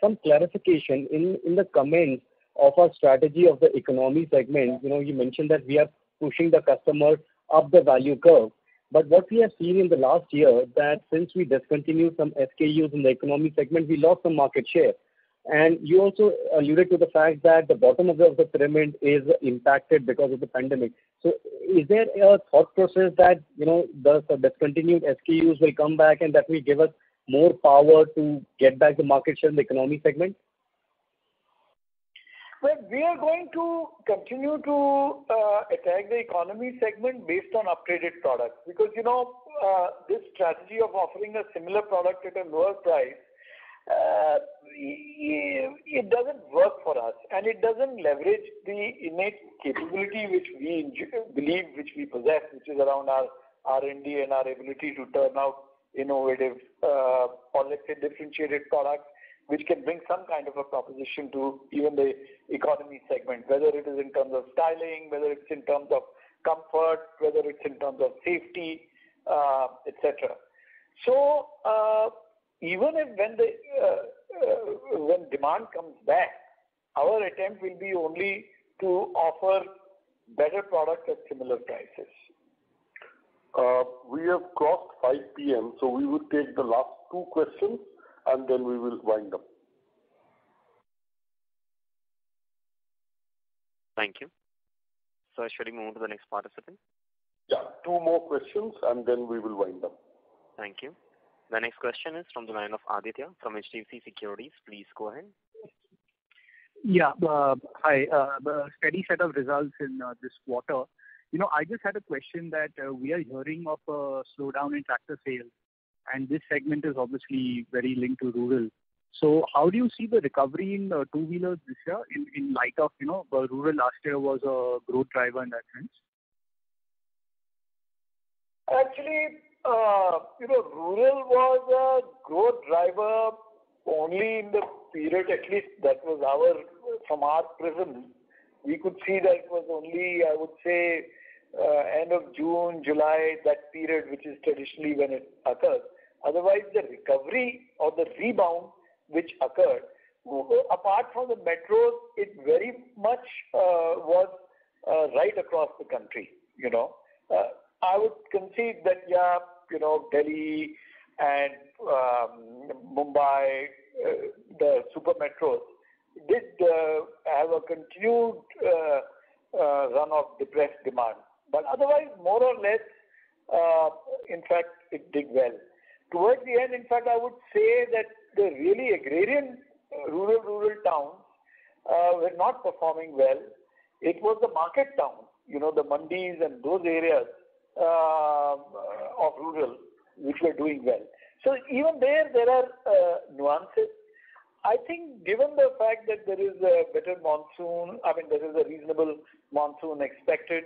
Some clarification, in the comment of our strategy of the economy segment, you mentioned that we are pushing the customer up the value curve. What we have seen in the last year that since we discontinued some SKUs in the economy segment, we lost some market share. You also alluded to the fact that the bottom of the pyramid is impacted because of the pandemic. Is there a thought process that the discontinued SKUs will come back and that will give us more power to get back the market share in the economy segment? Well, we are going to continue to attack the economy segment based on upgraded products. Because this strategy of offering a similar product at a lower price, it doesn't work for us and it doesn't leverage the innate capability which we believe, which we possess, which is around our R&D and our ability to turn out innovative, qualitative, differentiated products, which can bring some kind of a proposition to even the economy segment, whether it is in terms of styling, whether it's in terms of comfort, whether it's in terms of safety et cetera. Even when demand comes back, our attempt will be only to offer better product at similar prices. We have crossed 5:00 P.M., so we will take the last two questions and then we will wind up. Thank you. Sir, shall we move to the next participant? Yeah. Two more questions and then we will wind up. Thank you. The next question is from the line of Aditya from HDFC Securities. Please go ahead. Yeah. Hi. The steady set of results in this quarter. I just had a question that we are hearing of a slowdown in tractor sales. This segment is obviously very linked to rural. How do you see the recovery in two-wheelers this year in light of rural last year was a growth driver in that sense? Actually, rural was a growth driver only in the period, at least from our prism. We could see that it was only, I would say, end of June, July, that period, which is traditionally when it occurs. Otherwise, the recovery or the rebound which occurred, apart from the metros, it very much was right across the country. I would concede that, yeah, Delhi and Mumbai, the super metros, did have a continued run of depressed demand. Otherwise, more or less, in fact, it did well. Towards the end, in fact, I would say that the really agrarian rural towns were not performing well. It was the market town, the mandis and those areas of rural which were doing well. Even there are nuances. I think given the fact that there is a better monsoon, there is a reasonable monsoon expected,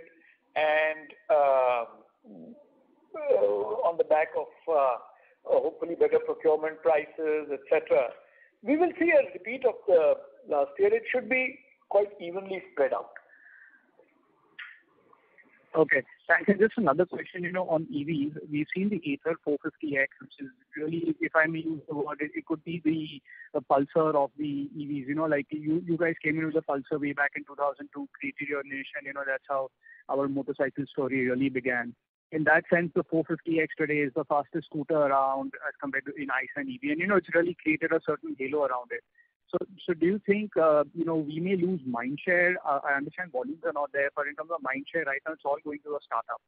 and on the back of hopefully better procurement prices, et cetera. We will see a repeat of last year. It should be quite evenly spread out. Okay. Just another question on EVs. We've seen the Ather 450X, which is really, if I may use the word, it could be the Pulsar of the EVs. You guys came in with the Pulsar way back in 2002, created a niche, and that's how our motorcycle story really began. In that sense, the 450X today is the fastest scooter around as compared to ICE and EV, and it's really created a certain halo around it. Do you think we may lose mind share? I understand volumes are not there, but in terms of mind share right now, it's all going to a startup.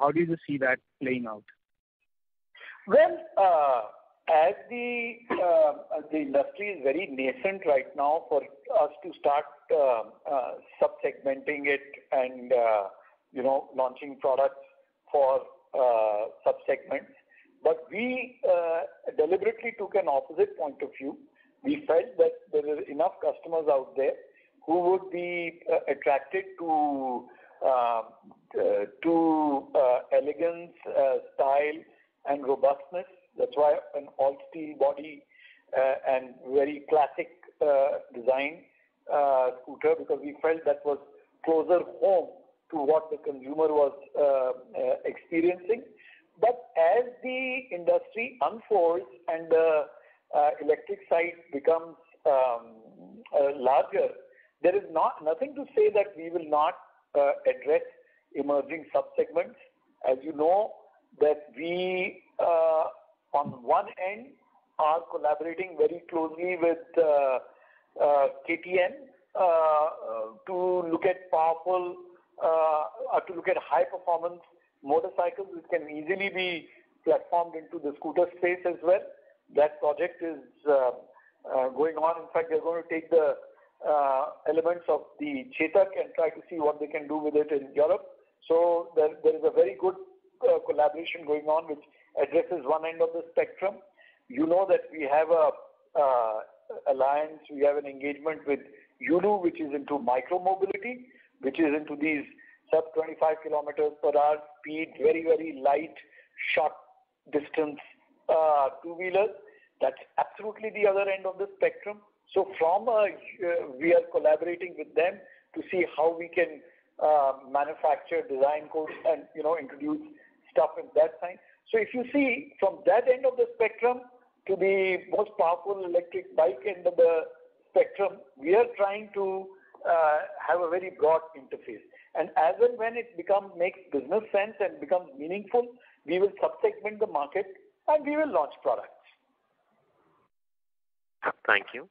How do you see that playing out? Well, as the industry is very nascent right now for us to start sub-segmenting it and launching products for sub-segments. We deliberately took an opposite point of view. We felt that there are enough customers out there who would be attracted to elegance, style, and robustness. That's why an all-steel body and very classic design scooter, because we felt that was closer home to what the consumer was experiencing. As the industry unfolds and the electric side becomes larger, there is nothing to say that we will not address emerging sub-segments. As you know that we, on one end, are collaborating very closely with KTM to look at high-performance motorcycles, which can easily be platformed into the scooter space as well. That project is going on. They're going to take the elements of the Chetak and try to see what they can do with it in Europe. There is a very good collaboration going on, which addresses one end of the spectrum. You know that we have an alliance, we have an engagement with Yulu, which is into micro-mobility, which is into these sub 25 km/h speed, very light, short distance two-wheelers. That's absolutely the other end of the spectrum. We are collaborating with them to see how we can manufacture design codes and introduce stuff in that side. If you see from that end of the spectrum to the most powerful electric bike into the spectrum, we are trying to have a very broad interface. As and when it makes business sense and becomes meaningful, we will sub-segment the market, and we will launch products. Thank you.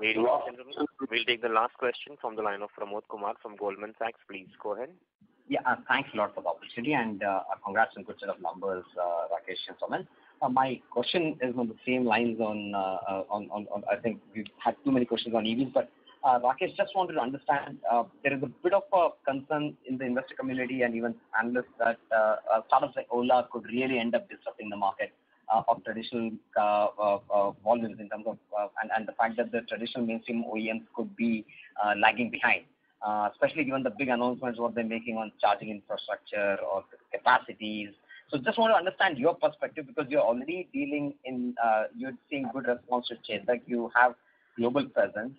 You are welcome. Very well, gentlemen. We'll take the last question from the line of Pramod Kumar from Goldman Sachs. Please go ahead. Yeah. Thanks a lot for the opportunity, and congrats on the good set of numbers, Rakesh and Soumen. My question is on the same lines. I think we've had too many questions on EVs, but Rakesh, just wanted to understand, there is a bit of a concern in the investor community and even analysts that startups like Ola could really end up disrupting the market of traditional volumes, and the fact that the traditional mainstream OEMs could be lagging behind, especially given the big announcements what they're making on charging infrastructure or capacities. Just want to understand your perspective because you're already dealing in, you're seeing good response with Chetak, you have global presence,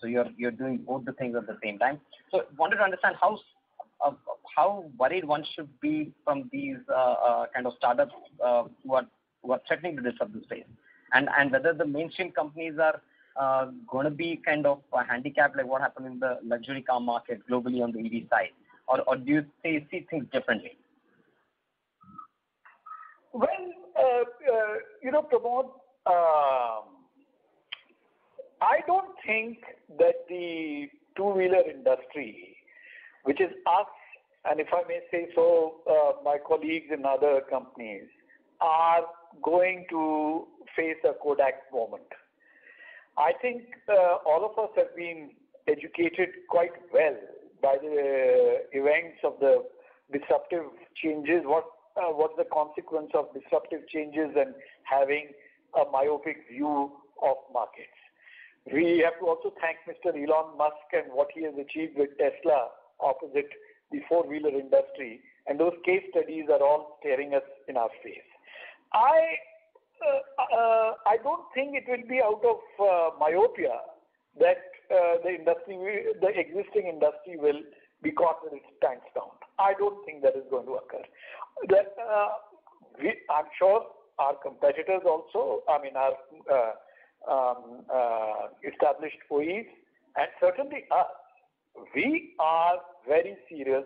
so you're doing both the things at the same time. I wanted to understand how worried one should be from these kind of startups what threatening to disrupt the space, and whether the mainstream companies are going to be kind of handicapped like what happened in the luxury car market globally on the EV side, or do you see things differently? Well, Pramod, I don't think that the two-wheeler industry, which is us, and if I may say so, my colleagues in other companies, are going to face a Kodak moment. I think all of us have been educated quite well by the events of the disruptive changes, what's the consequence of disruptive changes and having a myopic view of markets. We have to also thank Mr. Elon Musk and what he has achieved with Tesla opposite the four-wheeler industry, and those case studies are all staring us in our face. I don't think it will be out of myopia that the existing industry will be caught with its pants down. I don't think that is going to occur. I'm sure our competitors also, our established OEMs, and certainly us, we are very serious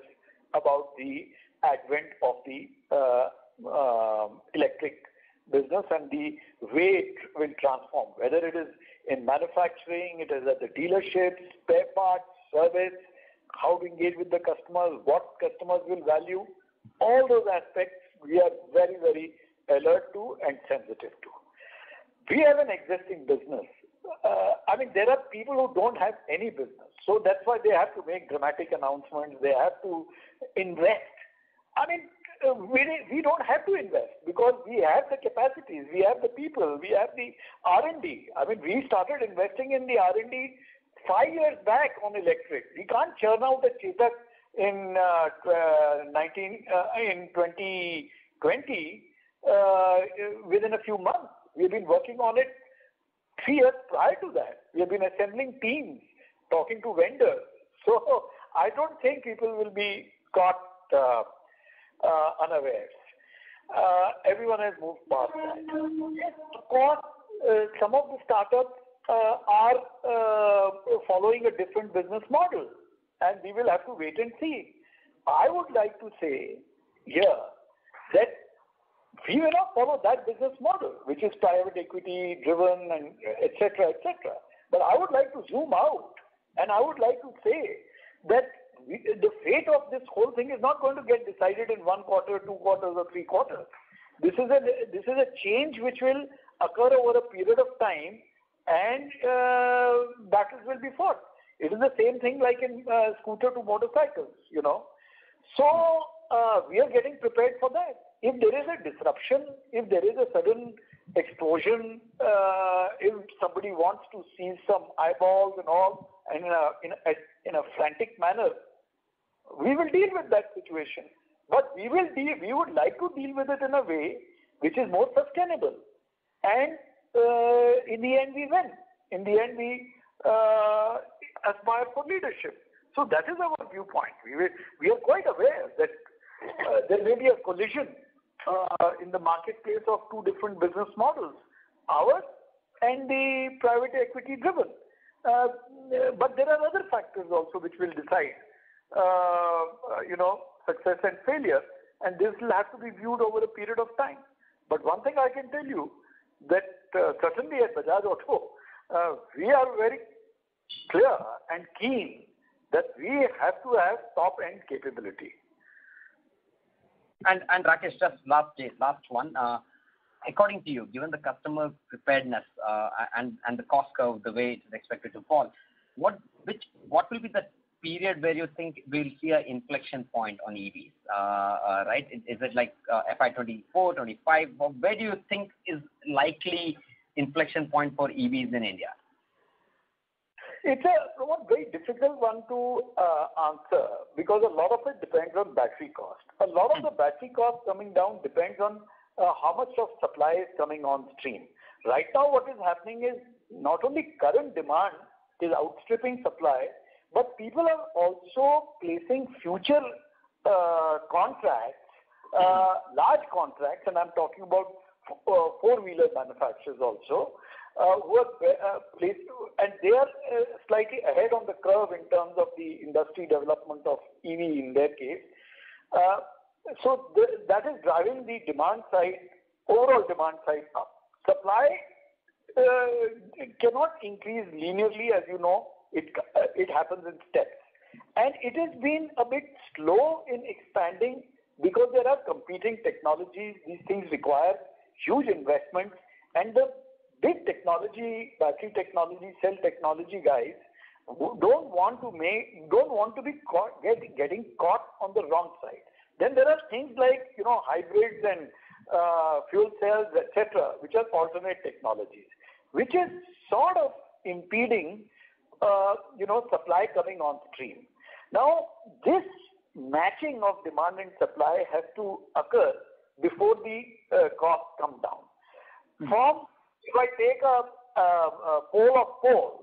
about the advent of the electric business and the way it will transform, whether it is in manufacturing, it is at the dealerships, spare parts, service, how to engage with the customers, what customers will value. All those aspects we are very, very alert to and sensitive to. We have an existing business. There are people who don't have any business. That's why they have to make dramatic announcements. They have to invest. We don't have to invest because we have the capacities. We have the people. We have the R&D. We started investing in the R&D five years back on electric. We can't churn out the Chetak in 2020 within a few months. We've been working on it three years prior to that. We have been assembling teams, talking to vendors. I don't think people will be caught unawares. Everyone has moved past that. Of course, some of the startups are following a different business model, and we will have to wait and see. I would like to say here that we will not follow that business model, which is private equity-driven and et cetera. I would like to zoom out and I would like to say that the fate of this whole thing is not going to get decided in one quarter, two quarters, or three quarters. This is a change which will occur over a period of time, and battles will be fought. It is the same thing like in scooter to motorcycles. We are getting prepared for that. If there is a disruption, if there is a sudden explosion, if somebody wants to seize some eyeballs and all in a frantic manner, we will deal with that situation. We would like to deal with it in a way which is more sustainable. In the end, we win. In the end, we aspire for leadership. That is our viewpoint. We are quite aware that there may be a collision in the marketplace of two different business models, ours and the private equity-driven. There are other factors also which will decide success and failure, and this will have to be viewed over a period of time. One thing I can tell you that certainly at Bajaj Auto, we are very clear and keen that we have to have top-end capability. Rakesh, just last one. According to you, given the customer preparedness and the cost curve, the way it is expected to fall, what will be the period where you think we'll see an inflection point on EVs? Is it FY 2024, FY 2025? Where do you think is likely inflection point for EVs in India? It's, Pramod, very difficult one to answer because a lot of it depends on battery cost. A lot of the battery cost coming down depends on how much of supply is coming on stream. Right now what is happening is not only current demand is outstripping supply, but people are also placing future contracts, and I'm talking about four-wheeler manufacturers also, who are placed to, and they are slightly ahead on the curve in terms of the industry development of EV in their case. That is driving the overall demand side up. Supply cannot increase linearly, as you know. It happens in steps. It has been a bit slow in expanding because there are competing technologies. These things require huge investments, and the big battery technology, cell technology guys don't want to be getting caught on the wrong side. There are things like hybrids and fuel cells, et cetera, which are alternate technologies. Which is sort of impeding supply coming on stream. This matching of demand and supply has to occur before the cost come down. From, if I take a poll of polls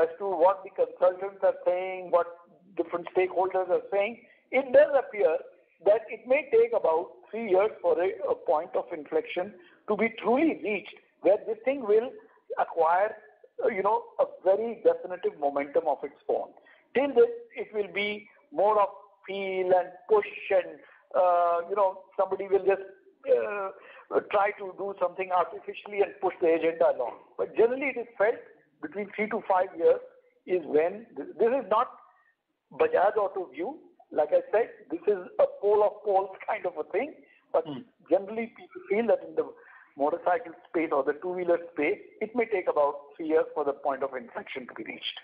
as to what the consultants are saying, what different stakeholders are saying, it does appear that it may take about three years for a point of inflection to be truly reached, where this thing will acquire a very definitive momentum of its own. Till this, it will be more of feel and push and somebody will just try to do something artificially and push the agenda along. Generally, it is felt between three to five years is when. This is not Bajaj Auto view. Like I said, this is a poll of polls kind of a thing. Generally, people feel that in the motorcycle space or the two-wheeler space, it may take about three years for the point of inflection to be reached.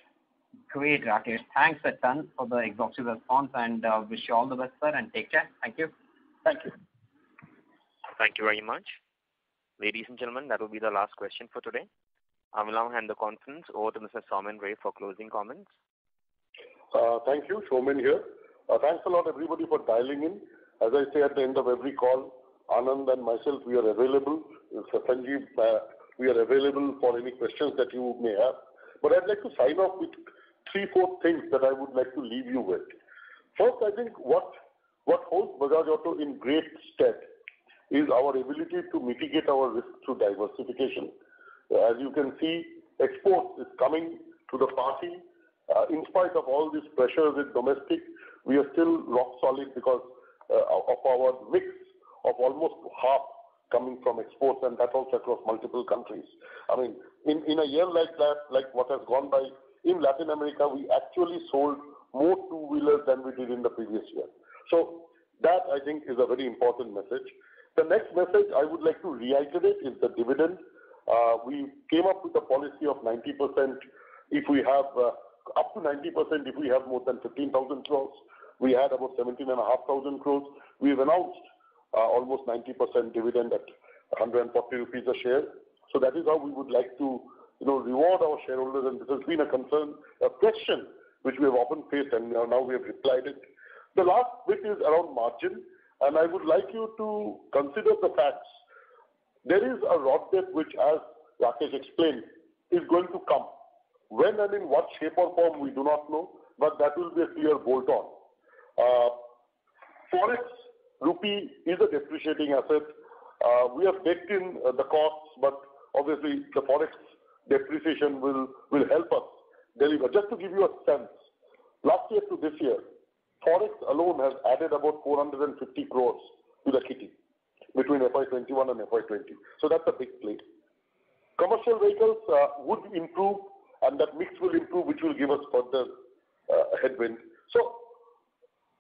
Great, Rakesh. Thanks a ton for the exhaustive response and wish you all the best, sir, and take care. Thank you. Thank you. Thank you very much. Ladies and gentlemen, that will be the last question for today. I will now hand the conference over to Mr. Soumen Ray for closing comments. Thank you. Soumen here. Thanks a lot everybody for dialing in. As I say at the end of every call, Anand and myself, we are available, and Satyanagendra, we are available for any questions that you may have. I'd like to sign off with three, four things that I would like to leave you with. First, I think what holds Bajaj Auto in great stead is our ability to mitigate our risk through diversification. As you can see, export is coming to the party. In spite of all this pressure with domestic, we are still rock solid because of our mix of almost half coming from exports, and that also across multiple countries. In a year like that, like what has gone by, in Latin America, we actually sold more two-wheelers than we did in the previous year. That I think is a very important message. The next message I would like to reiterate is the dividend. We came up with a policy of up to 90% if we have more than 15,000 crore. We had about 17,500 crore. We've announced almost 90% dividend at 140 rupees a share. That is how we would like to reward our shareholders, and this has been a question which we have often faced, and now we have replied it. The last bit is around margin, and I would like you to consider the facts. There is a RoDTEP, which as Rakesh explained, is going to come. When and in what shape or form, we do not know, but that will be a clear bolt-on. Forex rupee is a depreciating asset. We have baked in the costs, but obviously, the forex depreciation will help us deliver. Just to give you a sense, last year to this year, forex alone has added about 450 crores to the kitty between FY2021 and FY2020. That's a big plate. Commercial vehicles would improve, and that mix will improve, which will give us further headwind.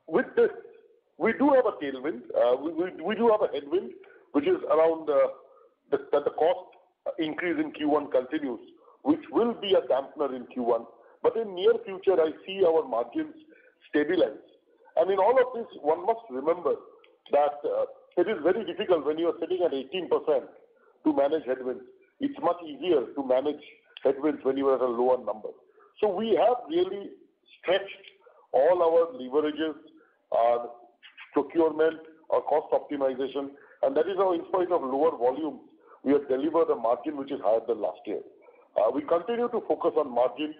With this, we do have a headwind, which is around that the cost increase in Q1 continues, which will be a dampener in Q1. In near future, I see our margins stabilize. In all of this, one must remember that it is very difficult when you are sitting at 18% to manage headwinds. It's much easier to manage headwinds when you are at a lower number. We have really stretched all our leverages, our procurement, our cost optimization, and that is how in spite of lower volumes, we have delivered a margin which is higher than last year. We continue to focus on margin.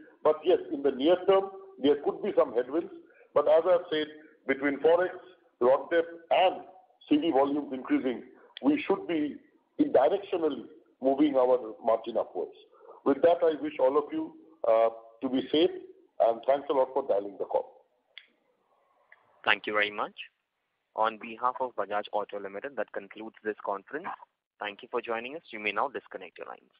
Yes, in the near term, there could be some headwinds. As I've said, between forex, RoDTEP, and CV volumes increasing, we should be directionally moving our margin upwards. With that, I wish all of you to be safe, and thanks a lot for dialing the call. Thank you very much. On behalf of Bajaj Auto Limited, that concludes this conference. Thank you for joining us. You may now disconnect your lines.